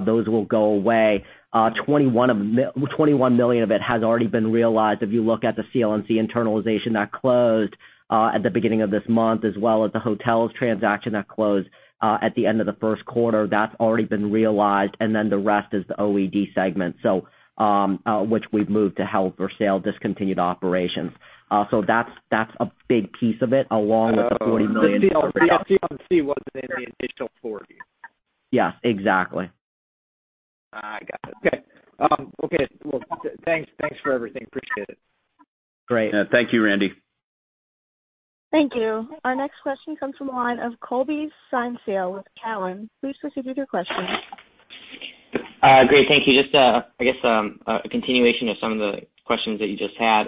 Those will go away. $21 million of it has already been realized. If you look at the CLNC internalization that closed at the beginning of this month, as well as the hotels transaction that closed at the end of the Q1, that's already been realized. The rest is the OED segment, which we've moved to held for sale, discontinued operations. That's a big piece of it, along with the $40 million. The CLNC wasn't in the initial purview. Yes, exactly. I got it. Okay. Well, thanks for everything. Appreciate it. Great. Thank you, Randy. Thank you. Our next question comes from the line of Colby Synesael with Cowen. Please proceed with your question. Great. Thank you. A continuation of some of the questions that you just had.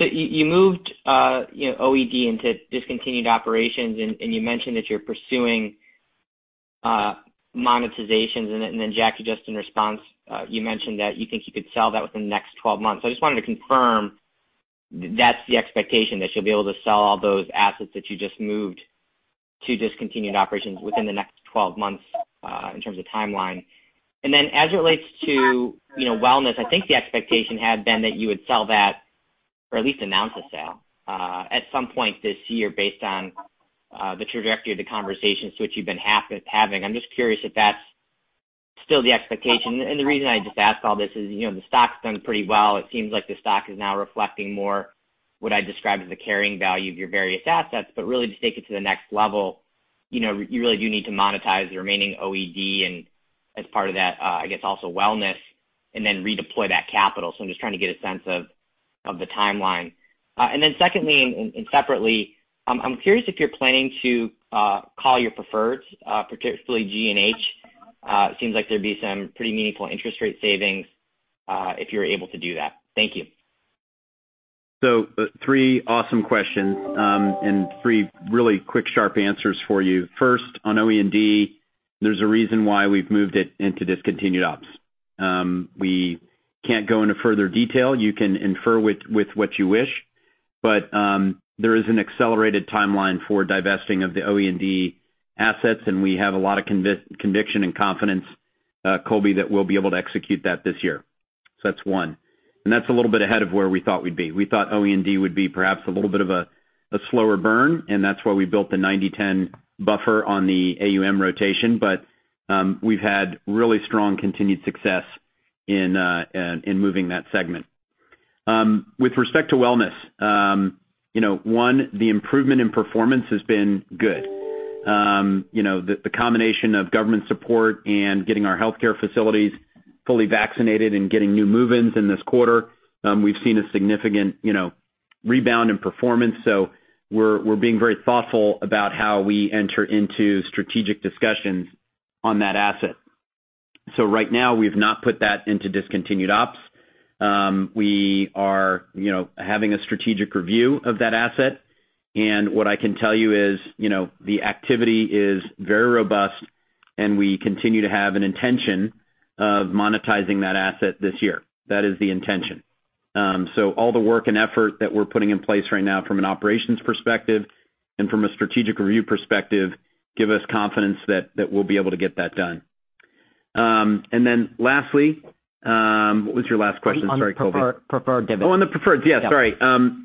You moved OED into discontinued operations, and you mentioned that you're pursuing monetizations. Jackyy, in response, you mentioned that you think you could sell that within the next 12 months. I just wanted to confirm that's the expectation, that you'll be able to sell all those assets that you just moved to discontinued operations within the next 12 months, in terms of timeline. As it relates to wellness, I think the expectation had been that you would sell that, or at least announce a sale, at some point this year based on the trajectory of the conversations which you've been having. I'm curious if that's still the expectation. The reason I ask all this is, the stock's done pretty well. It seems like the stock is now reflecting more what I describe as the carrying value of your various assets. Really to take it to the next level, you really do need to monetize the remaining OED and as part of that, I guess, also wellness, and then redeploy that capital. I'm just trying to get a sense of the timeline. Secondly, and separately, I'm curious if you're planning to call your preferreds, particularly G and H. It seems like there'd be some pretty meaningful interest rate savings if you're able to do that. Thank you. Three awesome questions, and three really quick, sharp answers for you. First, on OED, there's a reason why we've moved it into discontinued ops. We can't go into further detail. You can infer with what you wish. There is an accelerated timeline for divesting of the OED assets, and we have a lot of conviction and confidence, Colby, that we'll be able to execute that this year. That's one. That's a little bit ahead of where we thought we'd be. We thought OED would be perhaps a little bit of a slower burn, and that's why we built the 90/10 buffer on the AUM rotation. We've had really strong continued success in moving that segment. With respect to wellness, one, the improvement in performance has been good. The combination of government support and getting our healthcare facilities fully vaccinated and getting new move-ins in this quarter, we've seen a significant rebound in performance. We're being very thoughtful about how we enter into strategic discussions on that asset. Right now, we've not put that into discontinued ops. We are having a strategic review of that asset, and what I can tell you is the activity is very robust, and we continue to have an intention of monetizing that asset this year. That is the intention. All the work and effort that we're putting in place right now from an operations perspective and from a strategic review perspective give us confidence that we'll be able to get that done. Lastly, what was your last question? Sorry, Colby. Preferred dividend. Oh, on the preferreds. Yeah, sorry.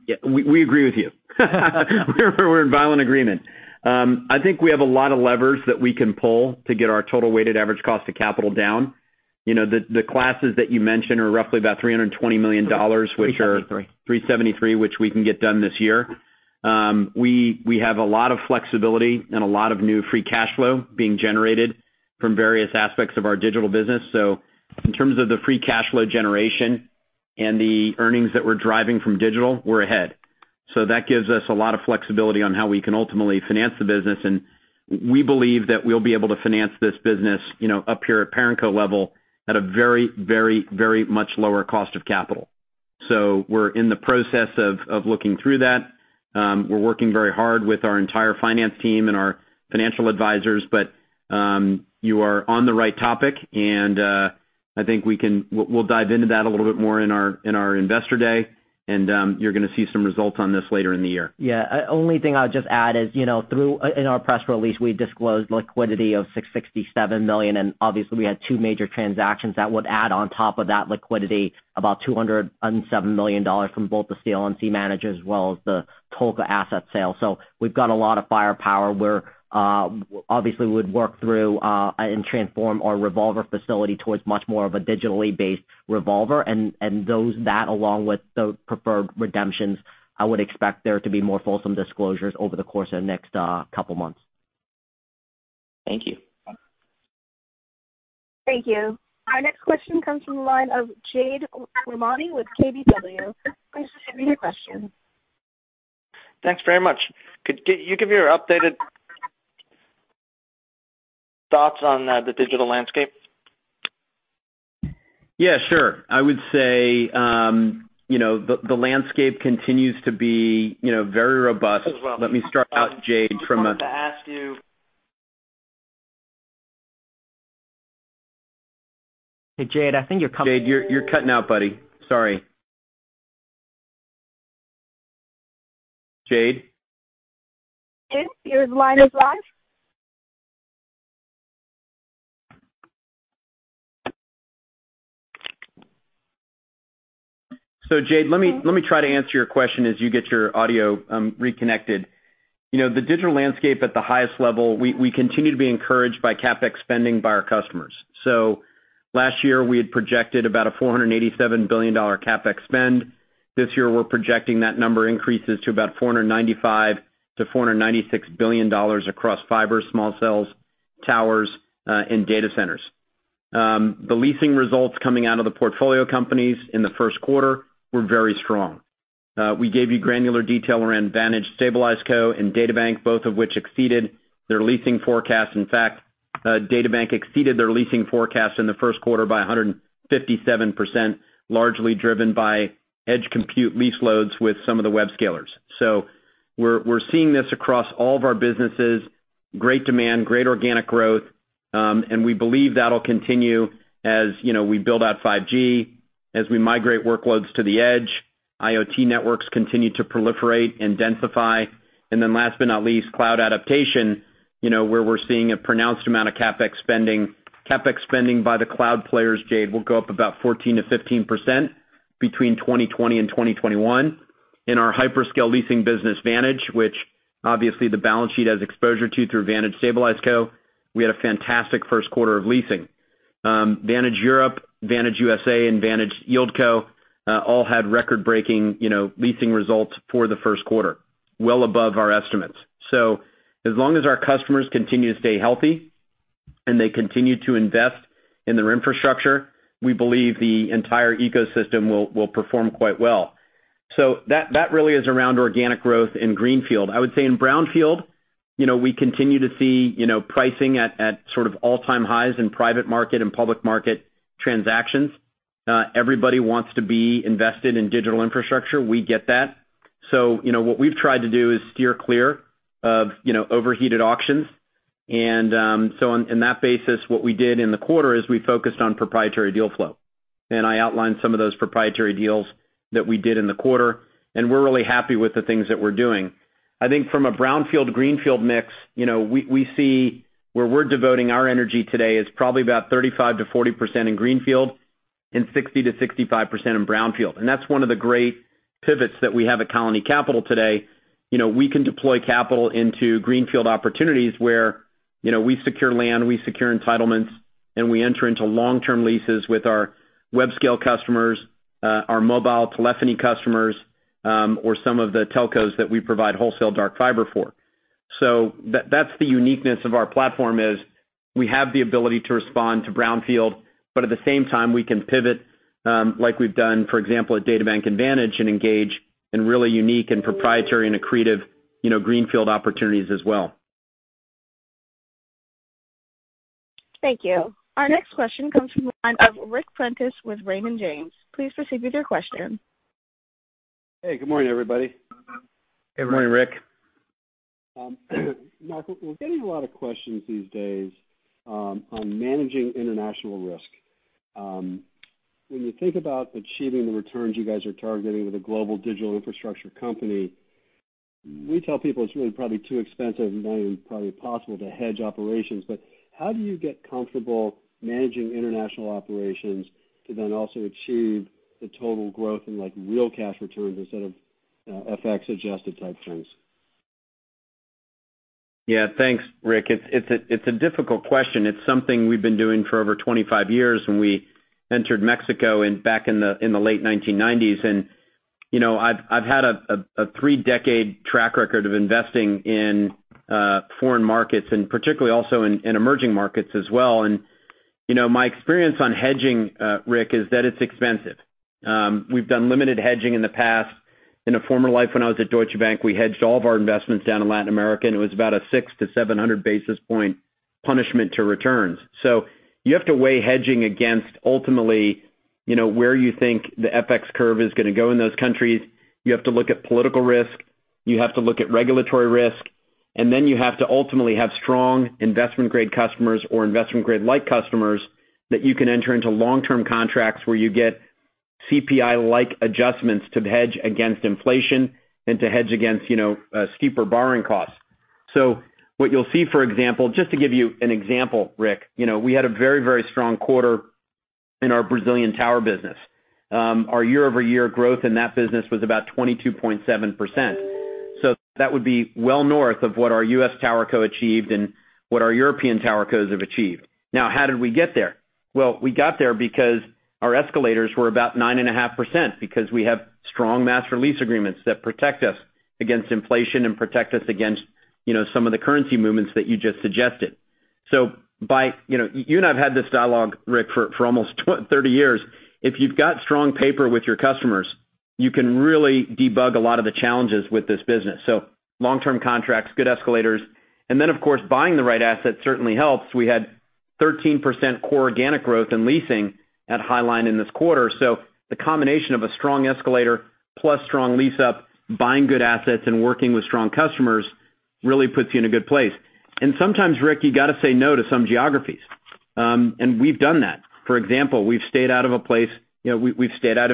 Yeah. We agree with you. We're in violent agreement. I think we have a lot of levers that we can pull to get our total weighted average cost of capital down. The classes that you mentioned are roughly about $320 million. 373 $373, which we can get done this year. We have a lot of flexibility and a lot of new free cash flow being generated from various aspects of our digital business. In terms of the free cash flow generation and the earnings that we're driving from digital, we're ahead. That gives us a lot of flexibility on how we can ultimately finance the business, and we believe that we'll be able to finance this business up here at parent co level at a very much lower cost of capital. We're in the process of looking through that. We're working very hard with our entire finance team and our financial advisors, but you are on the right topic, and I think we'll dive into that a little bit more in our investor day, and you're going to see some results on this later in the year. Only thing I'll just add is, in our press release, we disclosed liquidity of $667 million. Obviously, we had two major transactions that would add on top of that liquidity about $207 million from both the CLNC managed as well as the hotel asset sale. We've got a lot of firepower. Obviously, we'd work through, and transform our revolver facility towards much more of a digitally based revolver. That along with the preferred redemptions, I would expect there to be more fulsome disclosures over the course of the next couple of months. Thank you. Thank you. Our next question comes from the line of Jade Rahmani with KBW. Please proceed with your question. Thanks very much. Could you give your updated thoughts on the digital landscape? I would say the landscape continues to be very robust. Let me start out, Jade. I just wanted to ask you. Hey, Jade, I think you're cutting- Jade, you're cutting out, buddy. Sorry Jade? Jade, your line is live. Jade, let me try to answer your question as you get your audio reconnected. The digital landscape at the highest level, we continue to be encouraged by CapEx spending by our customers. Last year, we had projected about a $487 billion CapEx spend. This year, we're projecting that number increases to about $495 billion-$496 billion across fiber, small cells, towers, and data centers. The leasing results coming out of the portfolio companies in the Q1 were very strong. We gave you granular detail around Vantage Stabilized Data Centers and DataBank, both of which exceeded their leasing forecast. In fact, DataBank exceeded their leasing forecast in the Q1 by 157%, largely driven by edge compute lease loads with some of the web scalers. We're seeing this across all of our businesses. Great demand, great organic growth. We believe that'll continue as we build out 5G, as we migrate workloads to the edge, IoT networks continue to proliferate and densify. Last but not least, cloud adoption, where we're seeing a pronounced amount of CapEx spending. CapEx spending by the cloud players, Jade, will go up about 14%-15% between 2020 and 2021. In our hyperscale leasing business, Vantage, which obviously the balance sheet has exposure to through Vantage Stabilized Co., we had a fantastic Q1 of leasing. Vantage EMEA, Vantage USA, and Vantage YieldCo all had record-breaking leasing results for the Q1, well above our estimates. As long as our customers continue to stay healthy and they continue to invest in their infrastructure, we believe the entire ecosystem will perform quite well. That really is around organic growth in greenfield. I would say in brownfield, we continue to see pricing at sort of all-time highs in private market and public market transactions. Everybody wants to be invested in digital infrastructure. We get that. What we've tried to do is steer clear of overheated auctions. On that basis, what we did in the quarter is we focused on proprietary deal flow. I outlined some of those proprietary deals that we did in the quarter, and we're really happy with the things that we're doing. I think from a brownfield/greenfield mix, we see where we're devoting our energy today is probably about 35%-40% in greenfield and 60%-65% in brownfield. That's one of the great pivots that we have at Colony Capital today. We can deploy capital into greenfield opportunities where we secure land, we secure entitlements, and we enter into long-term leases with our web scale customers, our mobile telephony customers, or some of the telcos that we provide wholesale dark fiber for. That's the uniqueness of our platform is we have the ability to respond to brownfield, but at the same time, we can pivot, like we've done, for example, at DataBank and Vantage, and engage in really unique and proprietary and accretive greenfield opportunities as well. Thank you. Our next question comes from the line of Ric Prentiss with Raymond James. Please proceed with your question. Hey, good morning, everybody. Good morning, Ric. Marc, we're getting a lot of questions these days on managing international risk. When you think about achieving the returns you guys are targeting with a global digital infrastructure company, we tell people it's really probably too expensive and not even probably possible to hedge operations. How do you get comfortable managing international operations to then also achieve the total growth in like real cash returns instead of FX-adjusted type things? Yeah, thanks, Ric. It's a difficult question. It's something we've been doing for over 25 years, when we entered Mexico back in the late 1990s. I've had a three-decade track record of investing in foreign markets, and particularly also in emerging markets as well. My experience on hedging, Ric, is that it's expensive. We've done limited hedging in the past. In a former life, when I was at Deutsche Bank, we hedged all of our investments down in Latin America, and it was about a 600 to 700 basis point punishment to returns. You have to weigh hedging against ultimately, where you think the FX curve is going to go in those countries. You have to look at political risk, you have to look at regulatory risk, you have to ultimately have strong investment-grade customers or investment-grade-like customers that you can enter into long-term contracts where you get CPI-like adjustments to hedge against inflation and to hedge against steeper borrowing costs. What you'll see, for example, just to give you an example, Ric, we had a very, very strong quarter in our Brazilian tower business. Our year-over-year growth in that business was about 22.7%. That would be well north of what our U.S. tower co achieved and what our European tower cos have achieved. Now, how did we get there? Well, we got there because our escalators were about 9.5% because we have strong master lease agreements that protect us against inflation and protect us against some of the currency movements that you just suggested. You and I have had this dialogue, Ric, for almost 30 years. If you've got strong paper with your customers, you can really debug a lot of the challenges with this business. Long-term contracts, good escalators. Then, of course, buying the right asset certainly helps. We had 13% core organic growth in leasing at Highline in this quarter. The combination of a strong escalator plus strong lease-up, buying good assets, and working with strong customers really puts you in a good place. Sometimes, Ric, you got to say no to some geographies. We've done that. For example, we've stayed out of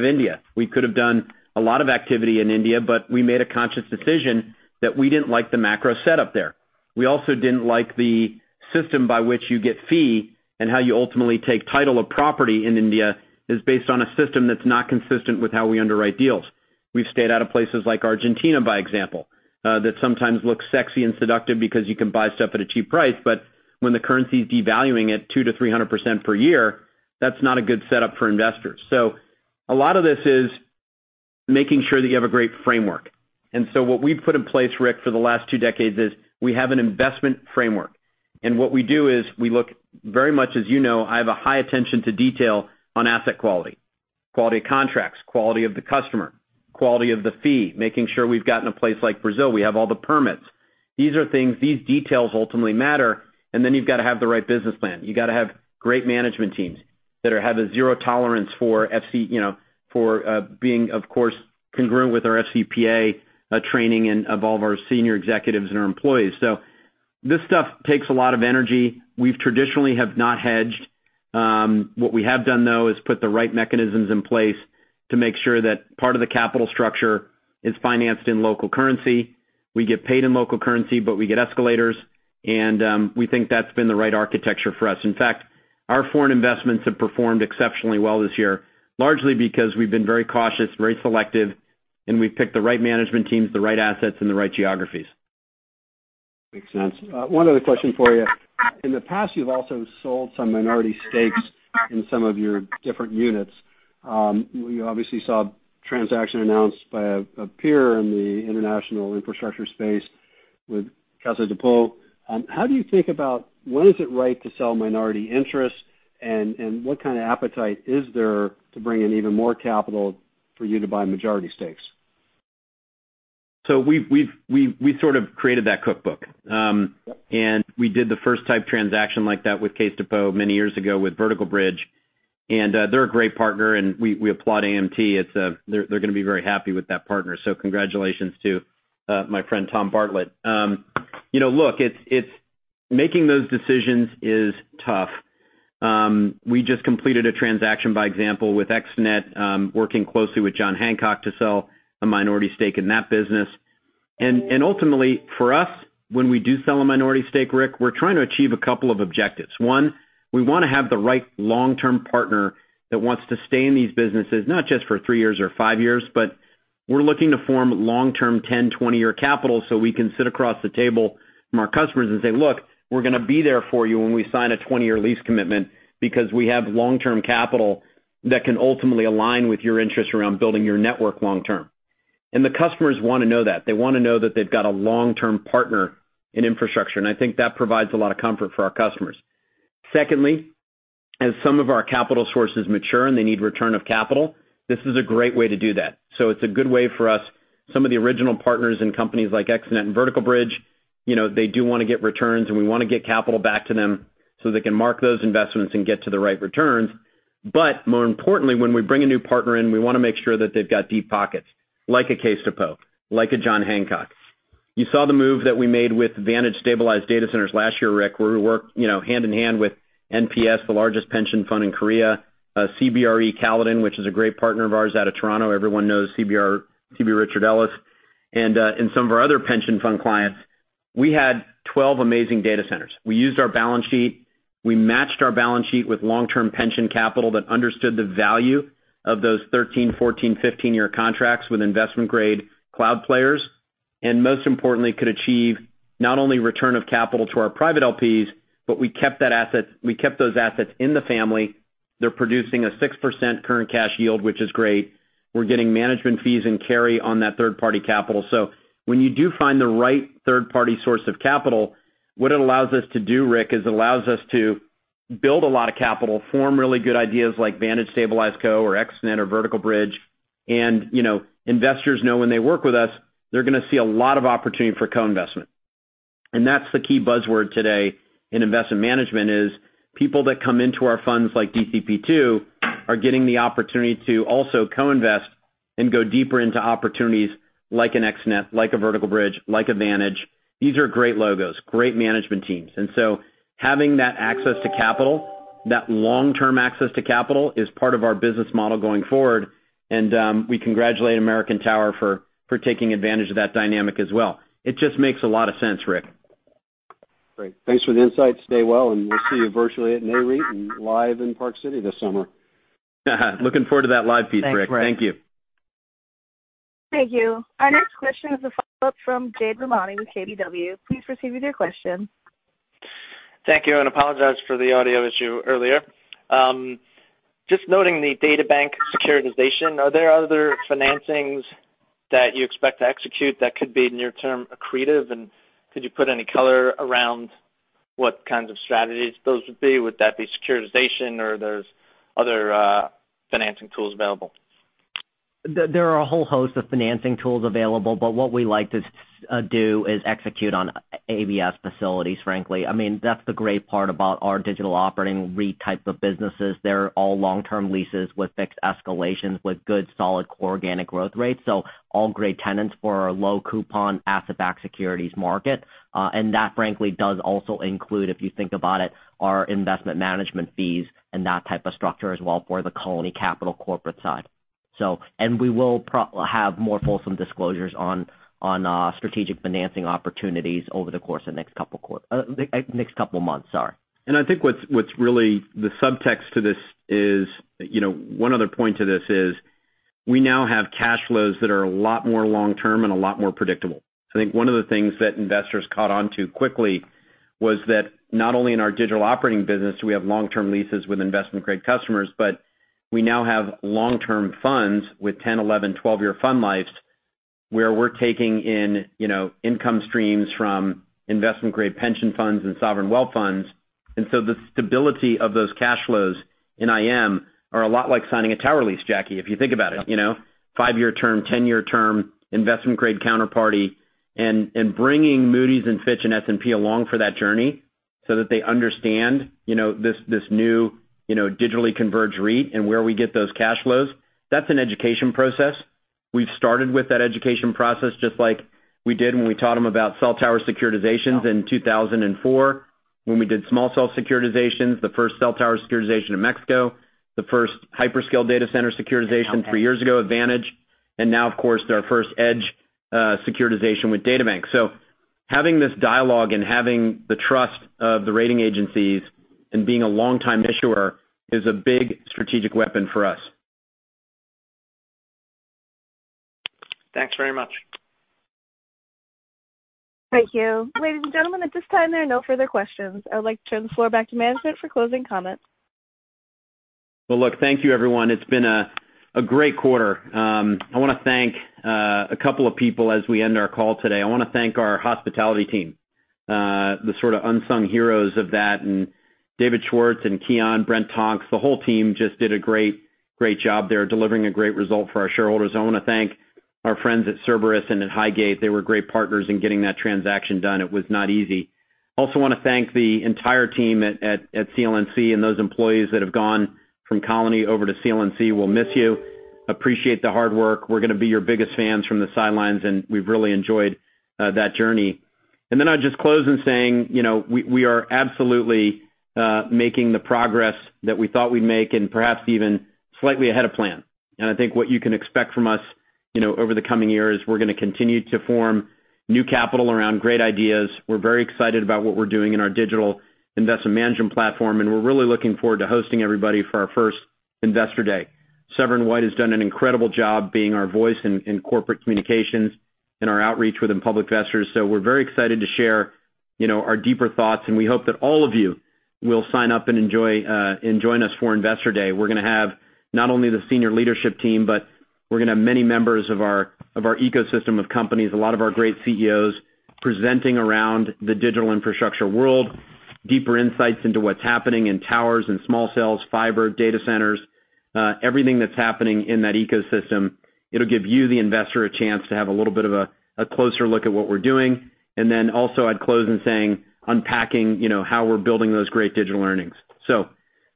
India. We could have done a lot of activity in India, but we made a conscious decision that we didn't like the macro setup there. We also didn't like the system by which you get fee and how you ultimately take title of property in India is based on a system that's not consistent with how we underwrite deals. We've stayed out of places like Argentina, by example, that sometimes looks sexy and seductive because you can buy stuff at a cheap price, but when the currency's devaluing at 200%-300% per year, that's not a good setup for investors. A lot of this is making sure that you have a great framework. What we've put in place, Ric, for the last two decades is we have an investment framework. What we do is we look very much, as you know, I have a high attention to detail on asset quality of contracts, quality of the customer, quality of the fee, making sure we've gotten a place like Brazil, we have all the permits. These are things, these details ultimately matter, you've got to have the right business plan. You got to have great management teams that have a zero tolerance for being, of course, congruent with our FCPA training and of all of our senior executives and our employees. This stuff takes a lot of energy. We've traditionally have not hedged. What we have done, though, is put the right mechanisms in place to make sure that part of the capital structure is financed in local currency. We get paid in local currency, but we get escalators, and we think that's been the right architecture for us. In fact, our foreign investments have performed exceptionally well this year, largely because we've been very cautious, very selective, and we've picked the right management teams, the right assets, and the right geographies. Makes sense. One other question for you. In the past, you've also sold some minority stakes in some of your different units. We obviously saw a transaction announced by a peer in the international infrastructure space with Caisse de dépôt. How do you think about when is it right to sell minority interests? What kind of appetite is there to bring in even more capital for you to buy majority stakes? We've sort of created that cookbook. We did the first type transaction like that with Caisse de dépôt many years ago with Vertical Bridge. They're a great partner, and we applaud AMT. They're going to be very happy with that partner. Congratulations to my friend Tom Bartlett. Look, making those decisions is tough. We just completed a transaction, by example, with ExteNet, working closely with John Hancock to sell a minority stake in that business. Ultimately, for us, when we do sell a minority stake, Ric, we're trying to achieve a couple of objectives. One, we want to have the right long-term partner that wants to stay in these businesses, not just for three years or five years, but we're looking to form long-term 10, 20-year capital so we can sit across the table from our customers and say, "Look, we're going to be there for you when we sign a 20-year lease commitment because we have long-term capital that can ultimately align with your interest around building your network long term." The customers want to know that. They want to know that they've got a long-term partner in infrastructure, and I think that provides a lot of comfort for our customers. Secondly, as some of our capital sources mature and they need return of capital, this is a great way to do that. It's a good way for us, some of the original partners in companies like ExteNet and Vertical Bridge, they do want to get returns, and we want to get capital back to them so they can mark those investments and get to the right returns. More importantly, when we bring a new partner in, we want to make sure that they've got deep pockets, like a Caisse de Depot, like a John Hancock. You saw the move that we made with Vantage Stabilized Data Centers last year, Ric, where we worked hand in hand with NPS, the largest pension fund in Korea, CBRE Caledon, which is a great partner of ours out of Toronto. Everyone knows CB Richard Ellis and some of our other pension fund clients. We had 12 amazing data centers. We used our balance sheet. We matched our balance sheet with long-term pension capital that understood the value of those 13, 14, 15-year contracts with investment-grade cloud players, and most importantly, could achieve not only return of capital to our private LPs, but we kept those assets in the family. They're producing a 6% current cash yield, which is great. We're getting management fees and carry on that third-party capital. When you do find the right third-party source of capital, what it allows us to do, Ric, is it allows us to build a lot of capital, form really good ideas like Vantage Stabilized Data Centers or ExteNet Systems or Vertical Bridge. And investors know when they work with us, they're going to see a lot of opportunity for co-investment. That's the key buzzword today in investment management is people that come into our funds like DCP II are getting the opportunity to also co-invest and go deeper into opportunities like an ExteNet, like a Vertical Bridge, like a Vantage. These are great logos, great management teams. Having that access to capital, that long-term access to capital is part of our business model going forward, and we congratulate American Tower for taking advantage of that dynamic as well. It just makes a lot of sense, Ric. Great. Thanks for the insights. Stay well, and we'll see you virtually at Nareit and live in Park City this summer. Looking forward to that live piece, Ric. Thanks, Ric. Thank you. Thank you. Our next question is a follow-up from Jade Rahmani with KBW. Please proceed with your question. Thank you. I apologize for the audio issue earlier. Just noting the DataBank securitization, are there other financings that you expect to execute that could be near-term accretive? Could you put any color around what kinds of strategies those would be? Would that be securitization or there's other financing tools available? There are a whole host of financing tools available, but what we like to do is execute on ABS facilities, frankly. That's the great part about our digital operating REIT type of businesses. They're all long-term leases with fixed escalations, with good, solid core organic growth rates. All great tenants for our low coupon asset-backed securities market. That frankly does also include, if you think about it, our investment management fees and that type of structure as well for the Colony Capital corporate side. We will have more fulsome disclosures on strategic financing opportunities over the course of the next couple of months. I think the subtext to this is, one other point to this is we now have cash flows that are a lot more long-term and a lot more predictable. I think one of the things that investors caught onto quickly was that not only in our digital operating business do we have long-term leases with investment-grade customers, but we now have long-term funds with 10, 11, 12-year fund lives, where we're taking in income streams from investment-grade pension funds and sovereign wealth funds. The stability of those cash flows in IM are a lot like signing a tower lease, Jacky, if you think about it. five-year term, 10-year term, investment-grade counterparty, and bringing Moody's and Fitch and S&P along for that journey so that they understand this new digitally converged REIT and where we get those cash flows. That's an education process. We've started with that education process, just like we did when we taught them about cell tower securitizations in 2004, when we did small cell securitizations, the first cell tower securitization in Mexico, the first hyperscale data center securitization three years ago, Vantage, and now of course, our first edge securitization with DataBank. Having this dialogue and having the trust of the rating agencies and being a longtime issuer is a big strategic weapon for us. Thanks very much. Thank you. Ladies and gentlemen, at this time, there are no further questions. I would like to turn the floor back to management for closing comments. Well, look, thank you everyone. It's been a great quarter. I want to thank a couple of people as we end our call today. I want to thank our hospitality team, the sort of unsung heroes of that, and David Schwartz and Kevin Smithen, Brent Tonks. The whole team just did a great job there delivering a great result for our shareholders. I want to thank our friends at Cerberus and at Highgate. They were great partners in getting that transaction done. It was not easy. Also want to thank the entire team at CLNC and those employees that have gone from Colony over to CLNC. We'll miss you. Appreciate the hard work. We're going to be your biggest fans from the sidelines, and we've really enjoyed that journey. I'll just close in saying, we are absolutely making the progress that we thought we'd make and perhaps even slightly ahead of plan. I think what you can expect from us over the coming year is we're going to continue to form new capital around great ideas. We're very excited about what we're doing in our Digital Investment Management Platform, and we're really looking forward to hosting everybody for our first Investor Day. Severin White has done an incredible job being our voice in corporate communications and our outreach within public investors. We're very excited to share our deeper thoughts, and we hope that all of you will sign up and join us for Investor Day. We're going to have not only the senior leadership team, but we're going to have many members of our ecosystem of companies, a lot of our great CEOs presenting around the digital infrastructure world, deeper insights into what's happening in towers and small cells, fiber, data centers, everything that's happening in that ecosystem. It'll give you, the investor, a chance to have a little bit of a closer look at what we're doing. Also I'd close in saying, unpacking how we're building those great digital earnings.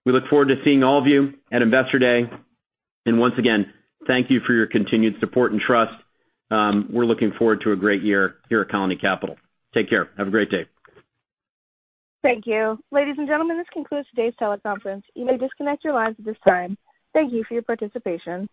We look forward to seeing all of you at Investor Day. Once again, thank you for your continued support and trust. We're looking forward to a great year here at Colony Capital. Take care. Have a great day. Thank you. Ladies and gentlemen, this concludes today's teleconference. You may disconnect your lines at this time. Thank you for your participation.